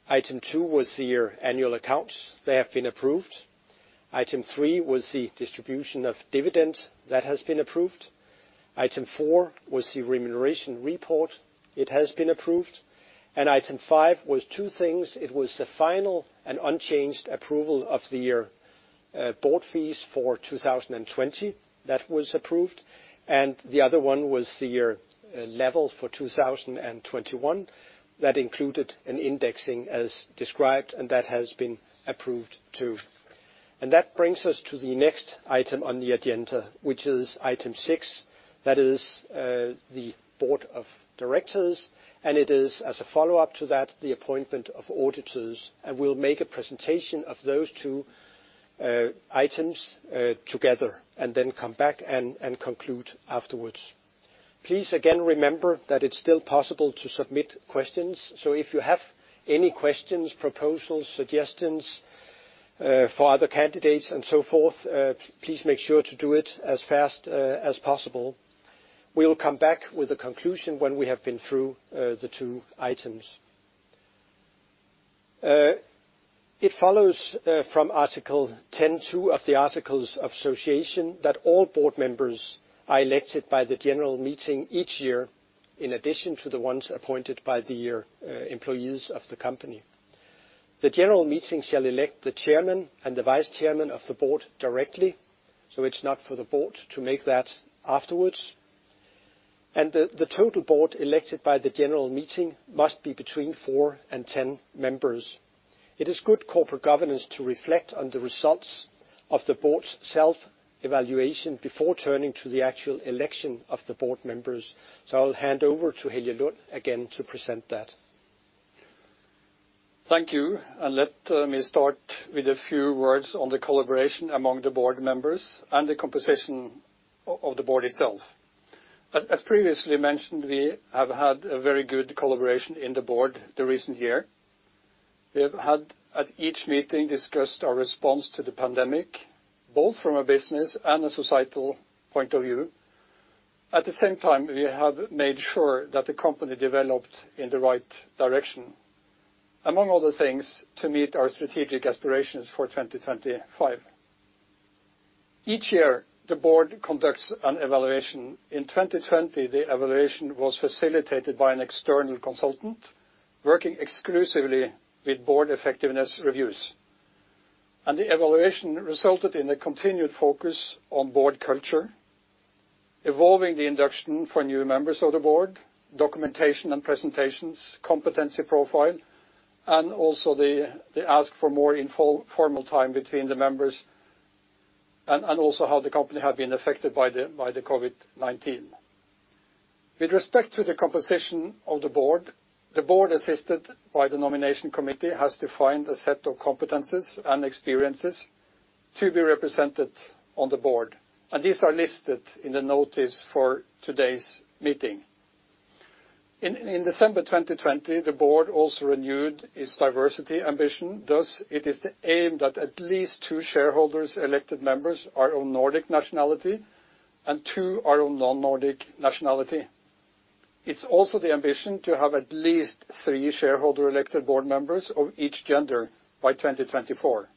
Item two was the annual accounts. They have been approved. Item three was the distribution of dividend. That has been approved. Item four was the remuneration report. It has been approved. Item five was two things. It was the final and unchanged approval of the board fees for 2020. That was approved. The other one was the level for 2021. That included an indexing as described, and that has been approved, too. That brings us to the next item on the agenda, which is item six. That is the board of directors. It is, as a follow-up to that, the appointment of auditors. We'll make a presentation of those two items together and then come back and conclude afterwards. Please, again, remember that it's still possible to submit questions. If you have any questions, proposals, suggestions for other candidates, and so forth, please make sure to do it as fast as possible. We will come back with a conclusion when we have been through the two items. It follows from article 10.2 of the articles of association that all board members are elected by the general meeting each year, in addition to the ones appointed by the employees of the company. The general meeting shall elect the chairman and the vice chairman of the board directly, so it's not for the board to make that afterwards. The total board elected by the general meeting must be between four and 10 members. It is good corporate governance to reflect on the results of the board's self-evaluation before turning to the actual election of the board members. I'll hand over to Helge Lund again to present that. Thank you. Let me start with a few words on the collaboration among the board members and the composition of the board itself. As previously mentioned, we have had a very good collaboration in the board the recent year. We have had at each meeting discussed our response to the pandemic, both from a business and a societal point of view. At the same time, we have made sure that the company developed in the right direction, among other things, to meet our strategic aspirations for 2025. Each year, the board conducts an evaluation. In 2020, the evaluation was facilitated by an external consultant working exclusively with board effectiveness reviews. The evaluation resulted in a continued focus on board culture, evolving the induction for new members of the board, documentation and presentations, competency profile, and also the ask for more informal time between the members, and also how the company had been affected by the COVID-19. With respect to the composition of the board, the board, assisted by the nomination committee, has defined a set of competencies and experiences to be represented on the board, and these are listed in the notice for today's meeting. In December 2020, the board also renewed its diversity ambition. Thus, it is the aim that at least two shareholders' elected members are of Nordic nationality and two are of non-Nordic nationality. It's also the ambition to have at least three shareholder-elected board members of each gender by 2024.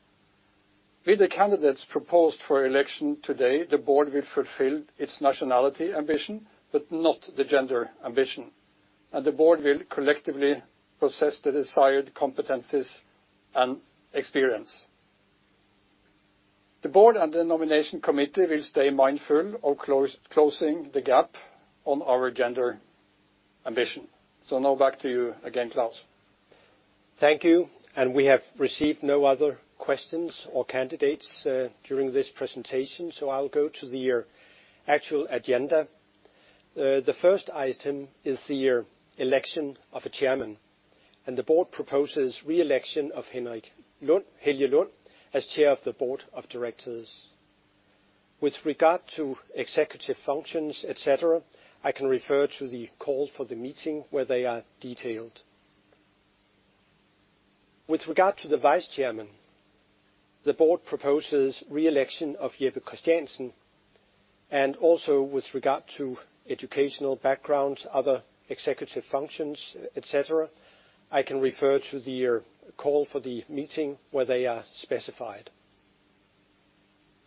With the candidates proposed for election today, the board will fulfill its nationality ambition, but not the gender ambition, and the board will collectively possess the desired competencies and experience. The board and the nomination committee will stay mindful of closing the gap on our gender ambition. Now back to you again, Klaus. Thank you. We have received no other questions or candidates during this presentation, so I'll go to the actual agenda. The first item is the election of a chairman, and the board proposes re-election of Helge Lund as Chair of the Board of Directors. With regard to executive functions, et cetera, I can refer to the call for the meeting where they are detailed. With regard to the vice chairman, the board proposes re-election of Jeppe Christiansen, and also with regard to educational background, other executive functions, et cetera, I can refer to the call for the meeting where they are specified.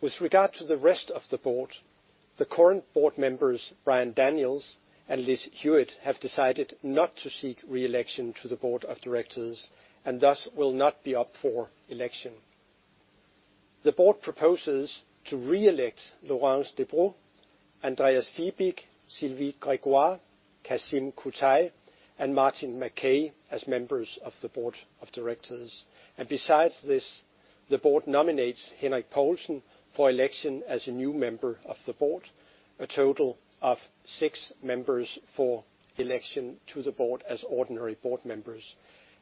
With regard to the rest of the board, the current board members, Brian Daniels and Liz Hewitt, have decided not to seek re-election to the board of directors, and thus will not be up for election. The board proposes to re-elect Laurence Debroux, Andreas Fibig, Sylvie Grégoire, Kasim Kutay, and Martin Mackay as members of the board of directors. Besides this, the board nominates Henrik Poulsen for election as a new member of the board, a total of six members for election to the board as ordinary board members.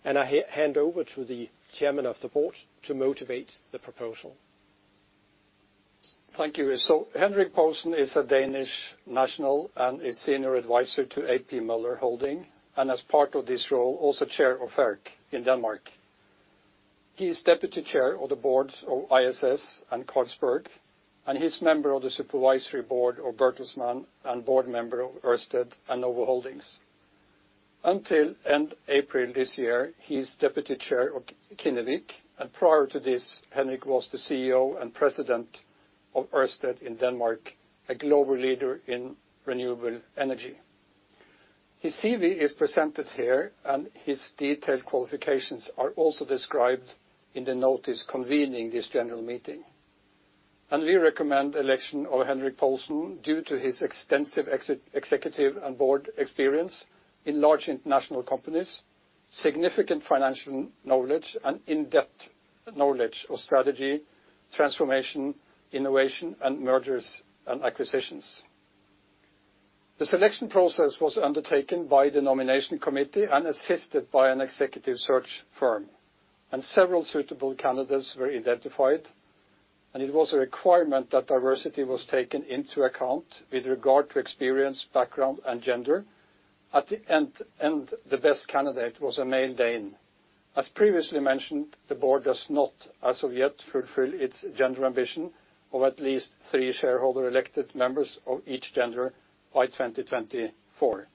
I hand over to the chairman of the board to motivate the proposal. Thank you. Henrik Poulsen is a Danish national and a senior advisor to A.P. Møller Holding, and as part of this role, also Chair of Faerch in Denmark. He is Deputy Chair of the boards of ISS and Carlsberg, and he's member of the supervisory board of Bertelsmann, and board member of Ørsted and Novo Holdings. Until end April this year, he's Deputy Chair of Kinnevik, and prior to this, Henrik was the CEO and President of Ørsted in Denmark, a global leader in renewable energy. His CV is presented here, and his detailed qualifications are also described in the notice convening this general meeting. We recommend election of Henrik Poulsen due to his extensive executive and board experience in large international companies, significant financial knowledge, and in-depth knowledge of strategy, transformation, innovation, and mergers and acquisitions. The selection process was undertaken by the nomination committee and assisted by an executive search firm, several suitable candidates were identified. It was a requirement that diversity was taken into account with regard to experience, background, and gender. At the end, the best candidate was a male Dane. As previously mentioned, the board does not, as of yet, fulfill its gender ambition of at least three shareholder-elected members of each gender by 2024.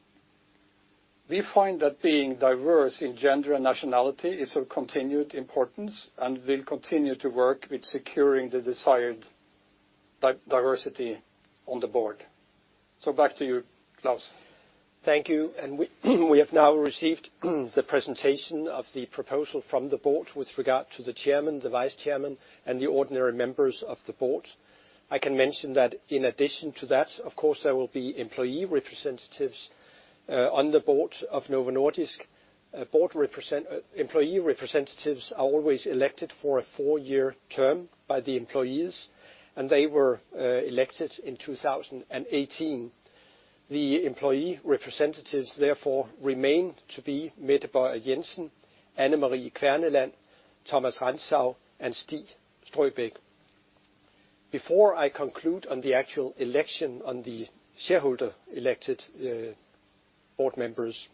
We find that being diverse in gender and nationality is of continued importance and will continue to work with securing the desired diversity on the board. Back to you, Klaus. Thank you. We have now received the presentation of the proposal from the board with regard to the chairman, the vice chairman, and the ordinary members of the board. I can mention that in addition to that, of course, there will be employee representatives on the board of Novo Nordisk. Employee representatives are always elected for a four-year term by the employees, and they were elected in 2018. The employee representatives, therefore, remain to be Mette Bøjer Jensen, Anne Marie Kverneland, Thomas Rantzau, and Stig Strøbæk. Before I conclude on the actual election on the shareholder-elected board members,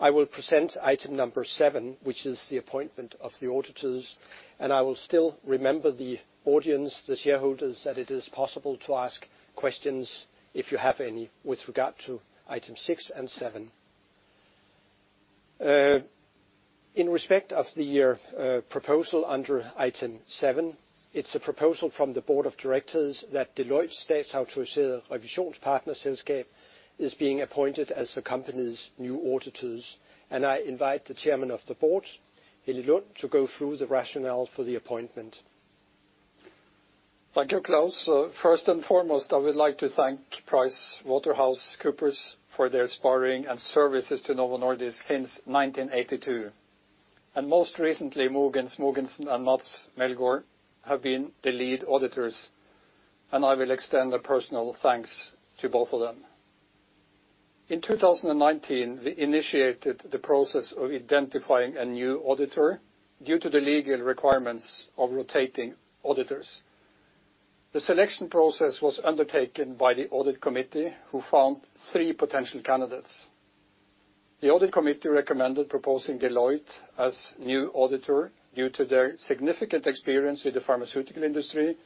I will present item number seven, which is the appointment of the auditors, and I will still remember the audience, the shareholders, that it is possible to ask questions if you have any with regard to item six and seven. In respect of the proposal under item seven, it's a proposal from the Board of Directors that Deloitte Statsautoriseret Revisionspartnerselskab is being appointed as the company's new auditors. I invite the Chair of the Board, Helge Lund, to go through the rationale for the appointment. Thank you, Klaus. First and foremost, I would like to thank PricewaterhouseCoopers for their sparring and services to Novo Nordisk since 1982. Most recently, Mogens Mogensen and Mads Melgaard have been the lead auditors, and I will extend a personal thanks to both of them. In 2019, we initiated the process of identifying a new auditor due to the legal requirements of rotating auditors. The selection process was undertaken by the audit committee, who found three potential candidates. The audit committee recommended proposing Deloitte as new auditor due to their significant experience with the pharmaceutical industry,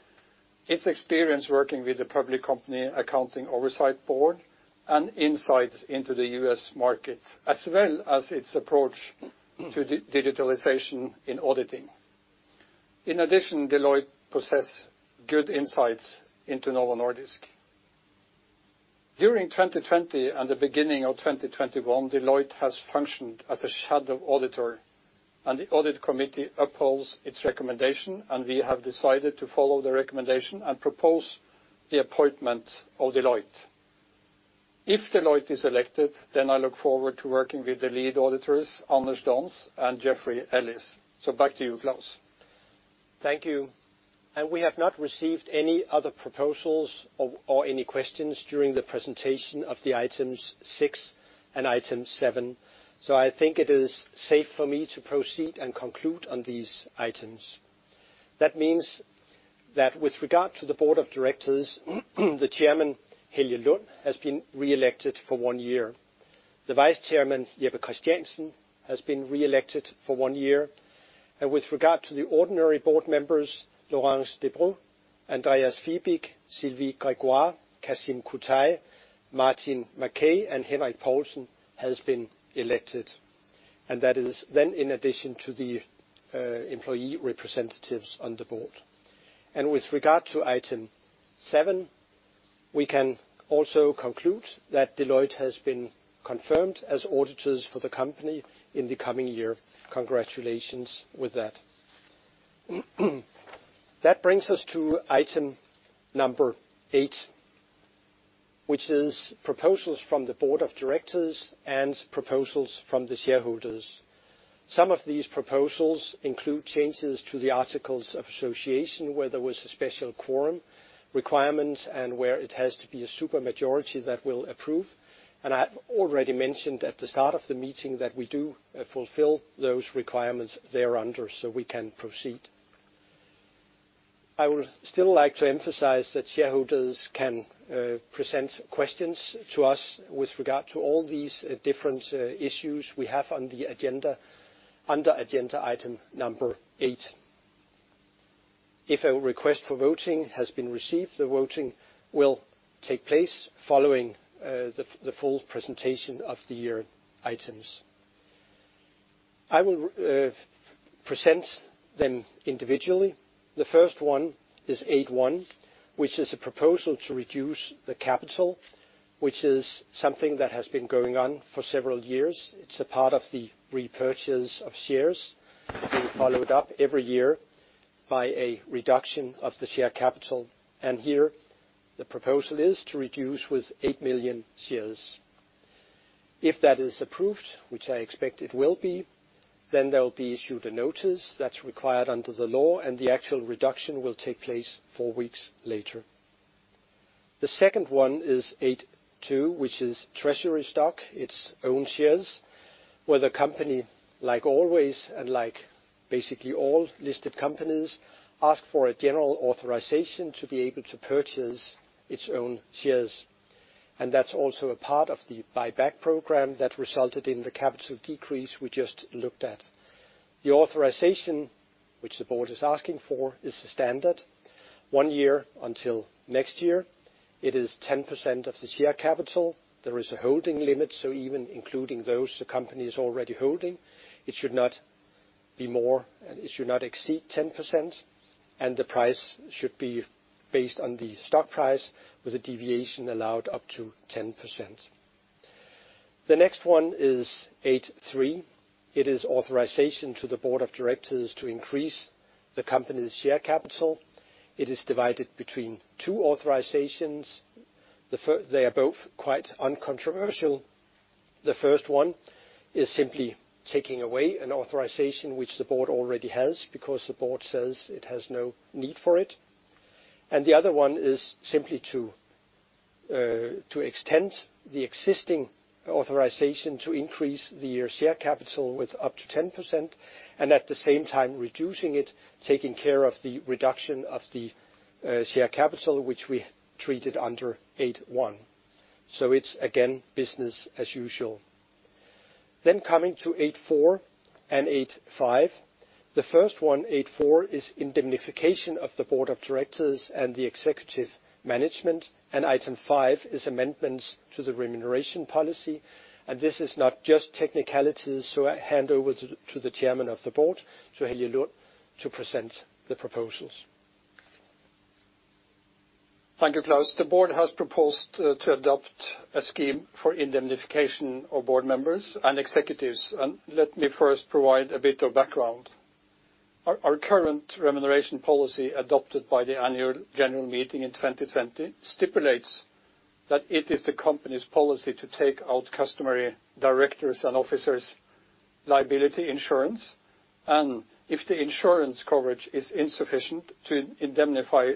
its experience working with the Public Company Accounting Oversight Board, and insights into the U.S. market, as well as its approach to digitalization in auditing. In addition, Deloitte possess good insights into Novo Nordisk. During 2020 and the beginning of 2021, Deloitte has functioned as a shadow auditor. The audit committee upholds its recommendation. We have decided to follow the recommendation and propose the appointment of Deloitte. If Deloitte is elected, I look forward to working with the lead auditors, Anders Dons and Jeffrey Ellis. Back to you, Klaus. Thank you. We have not received any other proposals or any questions during the presentation of the items six and item seven. I think it is safe for me to proceed and conclude on these items. That means that with regard to the board of directors, the chairman, Helge Lund, has been reelected for one year. The vice chairman, Jeppe Christiansen, has been reelected for one year. With regard to the ordinary board members, Laurence Debroux, Andreas Fibig, Sylvie Grégoire, Kasim Kutay, Martin Mackay, and Henrik Poulsen has been elected. That is then in addition to the employee representatives on the board. With regard to item seven, we can also conclude that Deloitte has been confirmed as auditors for the company in the coming year. Congratulations with that. That brings us to item number eight, which is proposals from the board of directors and proposals from the shareholders. Some of these proposals include changes to the articles of association, where there was a special quorum requirement, and where it has to be a super majority that will approve. I've already mentioned at the start of the meeting that we do fulfill those requirements thereunder. We can proceed. I would still like to emphasize that shareholders can present questions to us with regard to all these different issues we have on the agenda, under agenda item number eight. If a request for voting has been received, the voting will take place following the full presentation of the year items. I will present them individually. The first one is 8.1, which is a proposal to reduce the capital, which is something that has been going on for several years. It's a part of the repurchase of shares. We follow it up every year by a reduction of the share capital. Here, the proposal is to reduce with 8 million shares. If that is approved, which I expect it will be, there will be issued a notice that's required under the law, and the actual reduction will take place four weeks later. The second one is 8.2, which is treasury stock. It's own shares, where the company, like always, and like basically all listed companies, ask for a general authorization to be able to purchase its own shares. That's also a part of the buyback program that resulted in the capital decrease we just looked at. The authorization, which the board is asking for, is the standard, one year until next year. It is 10% of the share capital. There is a holding limit, so even including those the company is already holding, it should not exceed 10%, and the price should be based on the stock price, with a deviation allowed up to 10%. The next one is 8.3. It is authorization to the board of directors to increase the company's share capital. It is divided between two authorizations. They are both quite uncontroversial. The first one is simply taking away an authorization which the board already has, because the board says it has no need for it. The other one is simply to extend the existing authorization to increase the share capital with up to 10%, and at the same time reducing it, taking care of the reduction of the share capital, which we treated under 8.1. It's, again, business as usual. Coming to 8.4 and 8.5. The first one, 8.4, is indemnification of the board of directors and the executive management. Item five is amendments to the remuneration policy. This is not just technicalities, so I hand over to the Chairman of the Board, to Helge Lund, to present the proposals. Thank you, Klaus. The Board has proposed to adopt a scheme for indemnification of Board members and executives. Let me first provide a bit of background. Our current remuneration policy adopted by the Annual General Meeting in 2020 stipulates that it is the company's policy to take out customary directors' and officers' liability insurance. If the insurance coverage is insufficient, to indemnify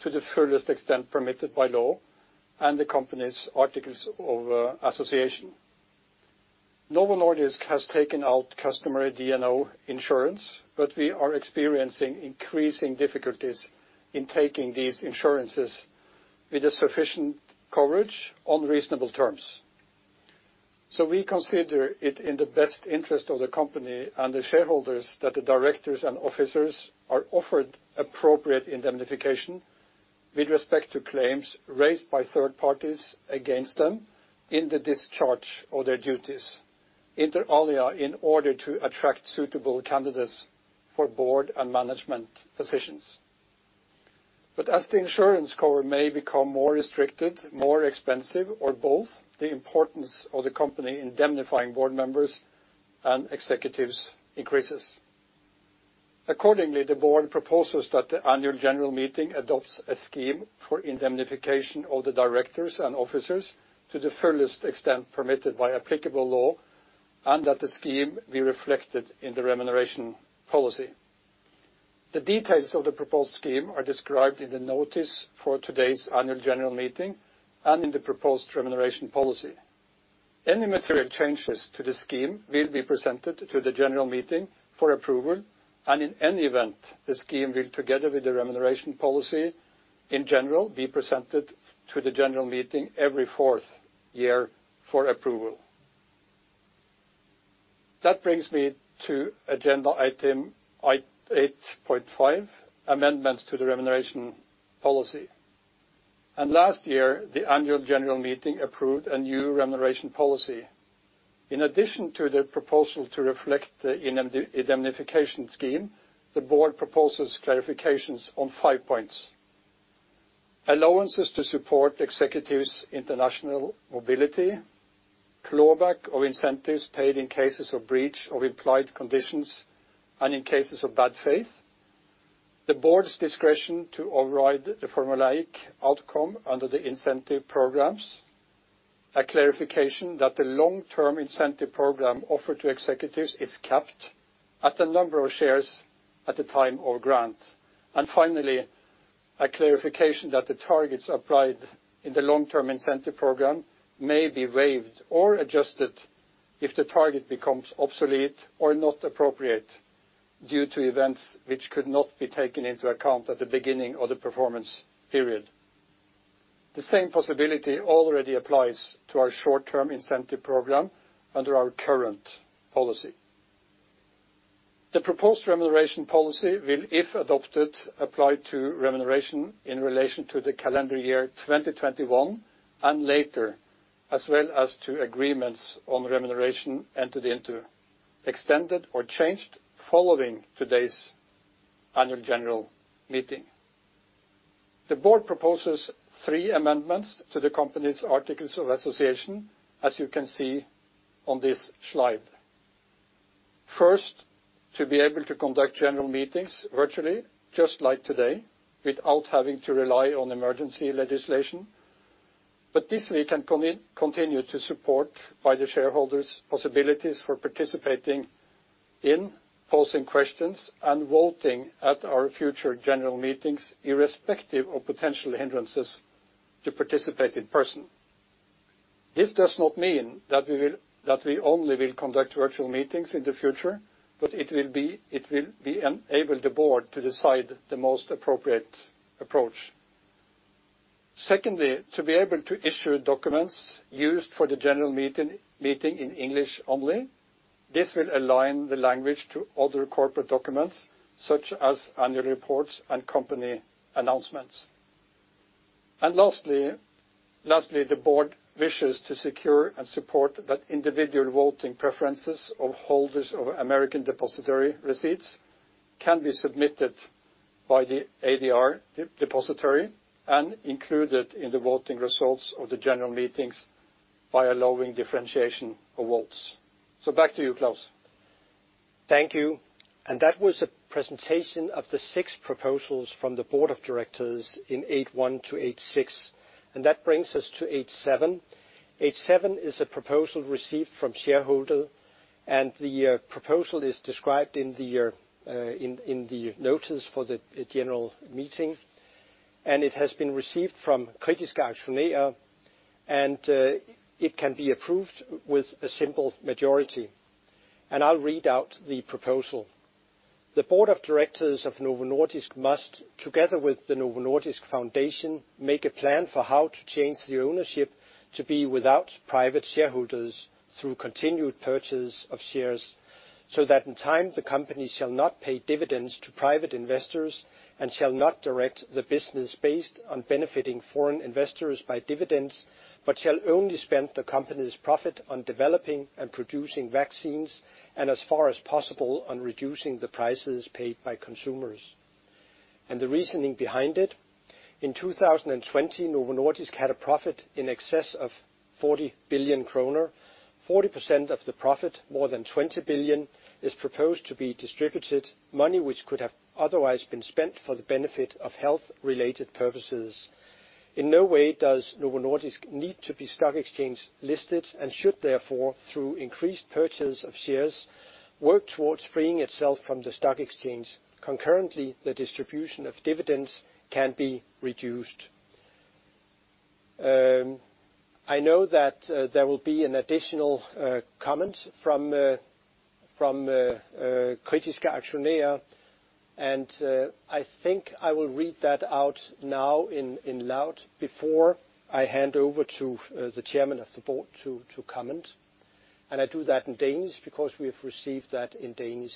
to the furthest extent permitted by law and the Company's Articles of Association. Novo Nordisk has taken out customary D&O insurance, we are experiencing increasing difficulties in taking these insurances with a sufficient coverage on reasonable terms. We consider it in the best interest of the company and the shareholders that the directors and officers are offered appropriate indemnification with respect to claims raised by third parties against them in the discharge of their duties, inter alia, in order to attract suitable candidates for board and management positions. As the insurance cover may become more restricted, more expensive, or both, the importance of the company indemnifying board members and executives increases. Accordingly, the board proposes that the annual general meeting adopts a scheme for indemnification of the directors and officers to the furthest extent permitted by applicable law, and that the scheme be reflected in the remuneration policy. The details of the proposed scheme are described in the notice for today's annual general meeting and in the proposed remuneration policy. Any material changes to the scheme will be presented to the general meeting for approval, and in any event, the scheme will, together with the remuneration policy in general, be presented to the general meeting every fourth year for approval. That brings me to agenda item 8.5, amendments to the remuneration policy. Last year, the annual general meeting approved a new remuneration policy. In addition to the proposal to reflect the indemnification scheme, the board proposes clarifications on five points. Allowances to support executives' international mobility, clawback of incentives paid in cases of breach of implied conditions and in cases of bad faith, the board's discretion to override the formulaic outcome under the incentive programs, a clarification that the long-term incentive program offered to executives is capped at the number of shares at the time of grant. Finally, a clarification that the targets applied in the long-term incentive program may be waived or adjusted if the target becomes obsolete or not appropriate due to events which could not be taken into account at the beginning of the performance period. The same possibility already applies to our short-term incentive program under our current policy. The proposed remuneration policy will, if adopted, apply to remuneration in relation to the calendar year 2021 and later, as well as to agreements on remuneration entered into, extended, or changed following today's annual general meeting. The board proposes three amendments to the company's articles of association, as you can see on this slide. First, to be able to conduct general meetings virtually, just like today, without having to rely on emergency legislation. This we can continue to support by the shareholders' possibilities for participating in posing questions and voting at our future general meetings, irrespective of potential hindrances to participate in person. This does not mean that we only will conduct virtual meetings in the future, but it will enable the board to decide the most appropriate approach. Secondly, to be able to issue documents used for the general meeting in English only. This will align the language to other corporate documents such as annual reports and company announcements. Lastly, the board wishes to secure and support that individual voting preferences of holders of American Depository Receipts can be submitted by the ADR depository and included in the voting results of the general meetings by allowing differentiation of votes. Back to you, Klaus Søgaard. Thank you. That was a presentation of the six proposals from the board of directors in 8.1 to 8.6. That brings us to 8.7. 8.7 is a proposal received from shareholder. The proposal is described in the notice for the general meeting. It has been received from Kritiske Aktionærer. It can be approved with a simple majority. I'll read out the proposal. The board of directors of Novo Nordisk must, together with the Novo Nordisk Foundation, make a plan for how to change the ownership to be without private shareholders through continued purchase of shares, so that in time the company shall not pay dividends to private investors and shall not direct the business based on benefiting foreign investors by dividends, but shall only spend the company's profit on developing and producing vaccines, and as far as possible, on reducing the prices paid by consumers. The reasoning behind it. In 2020, Novo Nordisk had a profit in excess of 40 billion kroner. 40% of the profit, more than 20 billion DKK, is proposed to be distributed, money which could have otherwise been spent for the benefit of health-related purposes. In no way does Novo Nordisk need to be stock exchange listed and should therefore, through increased purchase of shares, work towards freeing itself from the stock exchange. Concurrently, the distribution of dividends can be reduced. I know that there will be an additional comment from Kritiske Aktionærer, and I think I will read that out now aloud before I hand over to the chairman of the board to comment. I do that in Danish because we have received that in Danish.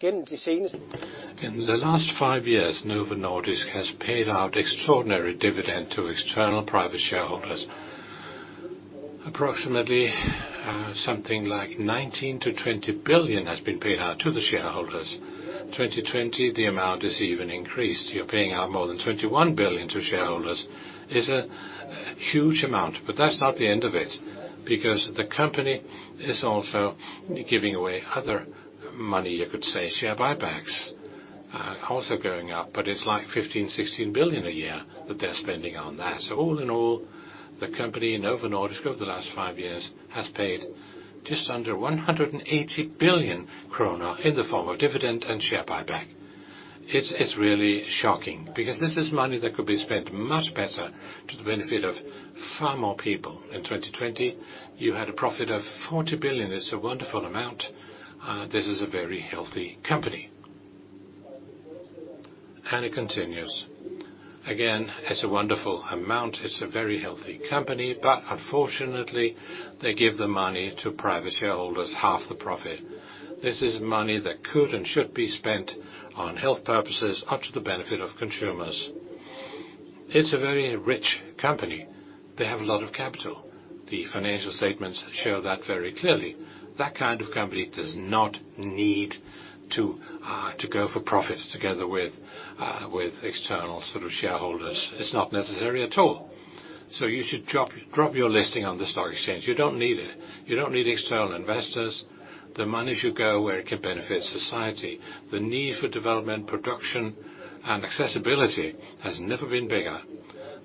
In the last five years, Novo Nordisk has paid out extraordinary dividend to external private shareholders. Approximately something like 19 billion to 20 billion has been paid out to the shareholders. 2020, the amount is even increased. You are paying out more than 21 billion to shareholders. Is it? Huge amount, but that's not the end of it, because the company is also giving away other money, you could say, share buybacks also going up, but it's like 15 billion, 16 billion a year that they're spending on that. All in all, the company, Novo Nordisk, over the last five years, has paid just under 180 billion kroner in the form of dividend and share buyback. It's really shocking, because this is money that could be spent much better to the benefit of far more people. In 2020, you had a profit of 40 billion. It's a wonderful amount. This is a very healthy company. It continues. Again, it's a wonderful amount. It's a very healthy company, but unfortunately, they give the money to private shareholders, half the profit. This is money that could and should be spent on health purposes or to the benefit of consumers. It's a very rich company. They have a lot of capital. The financial statements show that very clearly. That kind of company does not need to go for profit together with external shareholders. It's not necessary at all. You should drop your listing on the stock exchange. You don't need it. You don't need external investors. The money should go where it can benefit society. The need for development, production, and accessibility has never been bigger.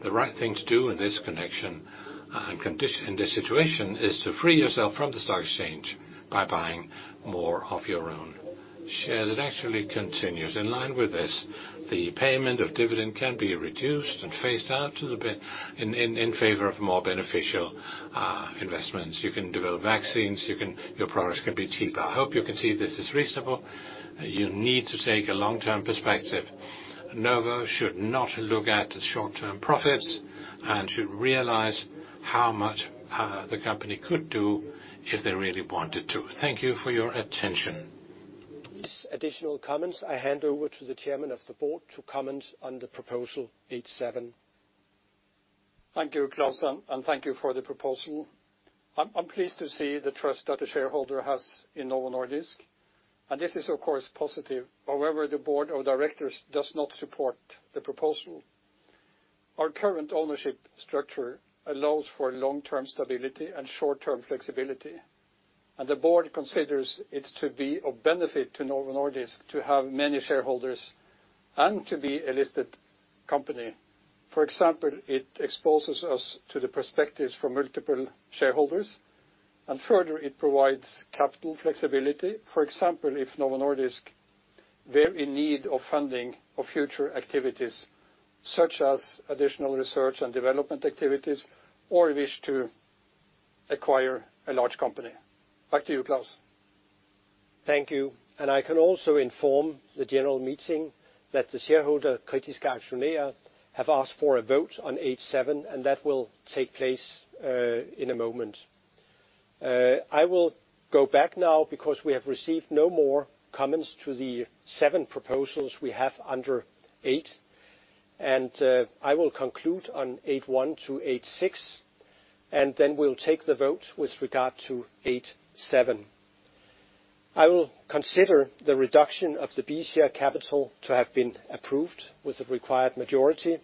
The right thing to do in this connection and in this situation is to free yourself from the stock exchange by buying more of your own shares. It actually continues. In line with this, the payment of dividend can be reduced and phased out in favor of more beneficial investments. You can develop vaccines. Your products can be cheaper. I hope you can see this is reasonable. You need to take a long-term perspective. Novo should not look at short-term profits and should realize how much the company could do if they really wanted to. Thank you for your attention. Additional comments. I hand over to the Chairman of the Board to comment on the proposal 8.7. Thank you, Klaus, and thank you for the proposal. I'm pleased to see the trust that the shareholder has in Novo Nordisk, and this is, of course, positive. However, the Board of Directors does not support the proposal. Our current ownership structure allows for long-term stability and short-term flexibility, and the Board considers it to be of benefit to Novo Nordisk to have many shareholders and to be a listed company. For example, it exposes us to the perspectives from multiple shareholders, and further, it provides capital flexibility. For example, if Novo Nordisk were in need of funding of future activities, such as additional research and development activities, or a wish to acquire a large company. Back to you, Klaus. Thank you. I can also inform the general meeting that the shareholder, Kritiske Aktionærer, have asked for a vote on 8.7, and that will take place in a moment. I will go back now because we have received no more comments to the seven proposals we have under eight, and I will conclude on 8.1 to 8.6, and then we'll take the vote with regard to 8.7. I will consider the reduction of the B-share capital to have been approved with the required majority.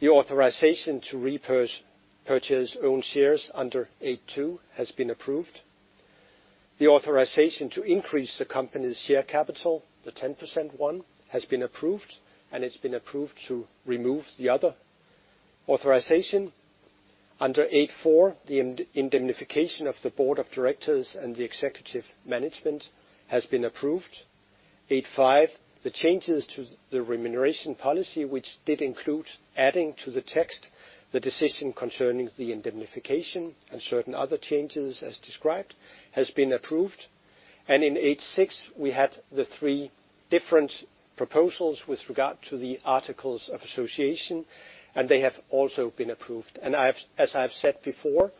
The authorization to repurchase own shares under 8.2 has been approved. The authorization to increase the company's share capital, the 10% one, has been approved, and it's been approved to remove the other authorization. Under 8.4, the indemnification of the board of directors and the executive management has been approved. 8.5, the changes to the remuneration policy, which did include adding to the text the decision concerning the indemnification and certain other changes as described, has been approved. In 8.6, we had the three different proposals with regard to the articles of association, and they have also been approved. As I've said before,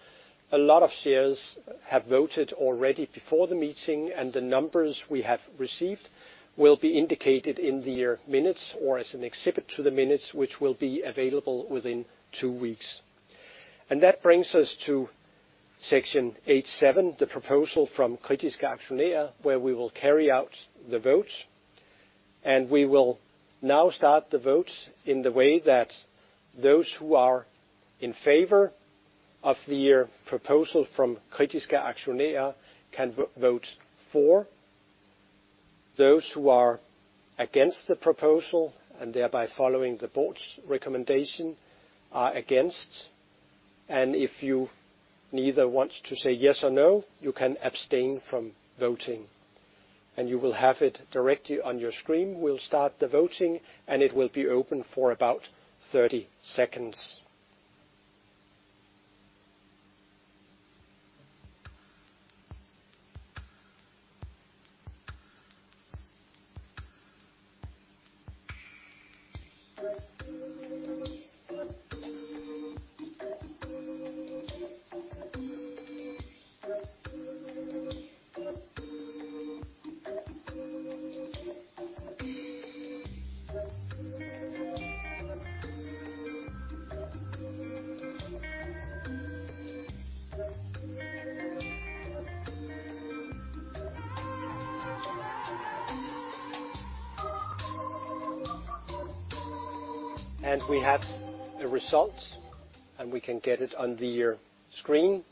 a lot of shares have voted already before the meeting, and the numbers we have received will be indicated in the minutes or as an exhibit to the minutes, which will be available within two weeks. That brings us to section 8.7, the proposal from Kritiske Aktionærer, where we will carry out the vote. We will now start the vote in the way that those who are in favor of the proposal from Kritiske Aktionærer can vote for. Those who are against the proposal and thereby following the board's recommendation are against. If you neither want to say yes or no, you can abstain from voting. You will have it directly on your screen. We'll start the voting, and it will be open for about 30 seconds. We have a result, and we can get it on the screen.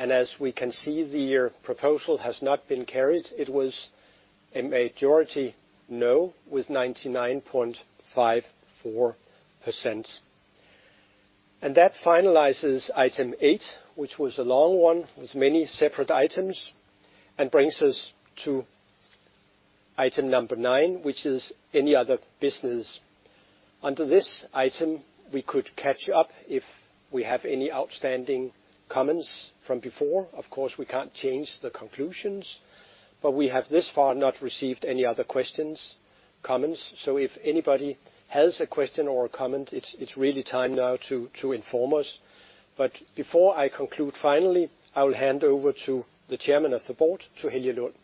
As we can see, the proposal has not been carried. It was a majority no, with 99.54%. That finalizes item eight, which was a long one, with many separate items, and brings us to item number nine, which is any other business. Under this item, we could catch up if we have any outstanding comments from before. Of course, we can't change the conclusions, but we have thus far not received any other questions, comments. If anybody has a question or a comment, it's really time now to inform us. Before I conclude, finally, I will hand over to the Chairman of the Board, to Helge Lund.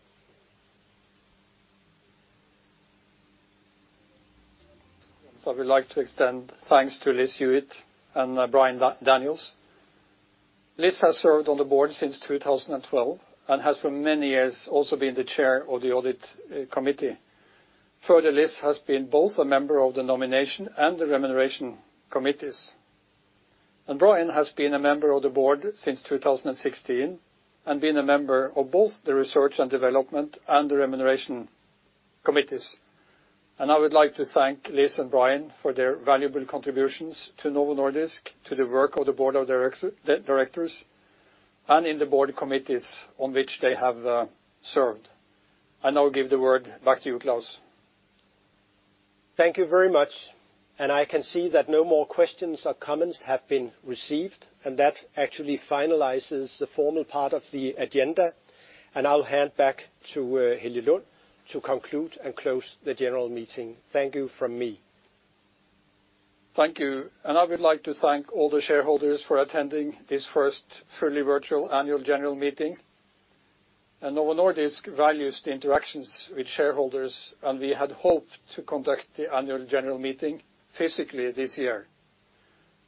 I would like to extend thanks to Liz Hewitt and Brian Daniels. Liz has served on the board since 2012 and has for many years also been the chair of the audit committee. Further, Liz has been both a member of the nomination and the remuneration committees. Brian has been a member of the board since 2016 and been a member of both the research and development and the remuneration committees. I would like to thank Liz and Brian for their valuable contributions to Novo Nordisk, to the work of the board of directors, and in the board committees on which they have served. I now give the word back to you, Klaus. Thank you very much. I can see that no more questions or comments have been received. That actually finalizes the formal part of the agenda. I'll hand back to Helge Lund to conclude and close the general meeting. Thank you from me. Thank you. I would like to thank all the shareholders for attending this first fully virtual Annual General Meeting. Novo Nordisk values the interactions with shareholders, and we had hoped to conduct the Annual General Meeting physically this year.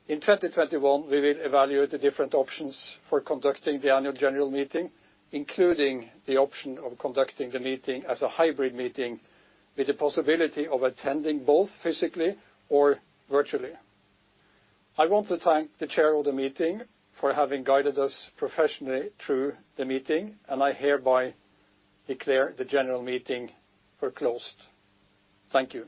In 2021, we will evaluate the different options for conducting the Annual General Meeting, including the option of conducting the meeting as a hybrid meeting with the possibility of attending both physically or virtually. I want to thank the chair of the meeting for having guided us professionally through the meeting, and I hereby declare the General Meeting closed. Thank you.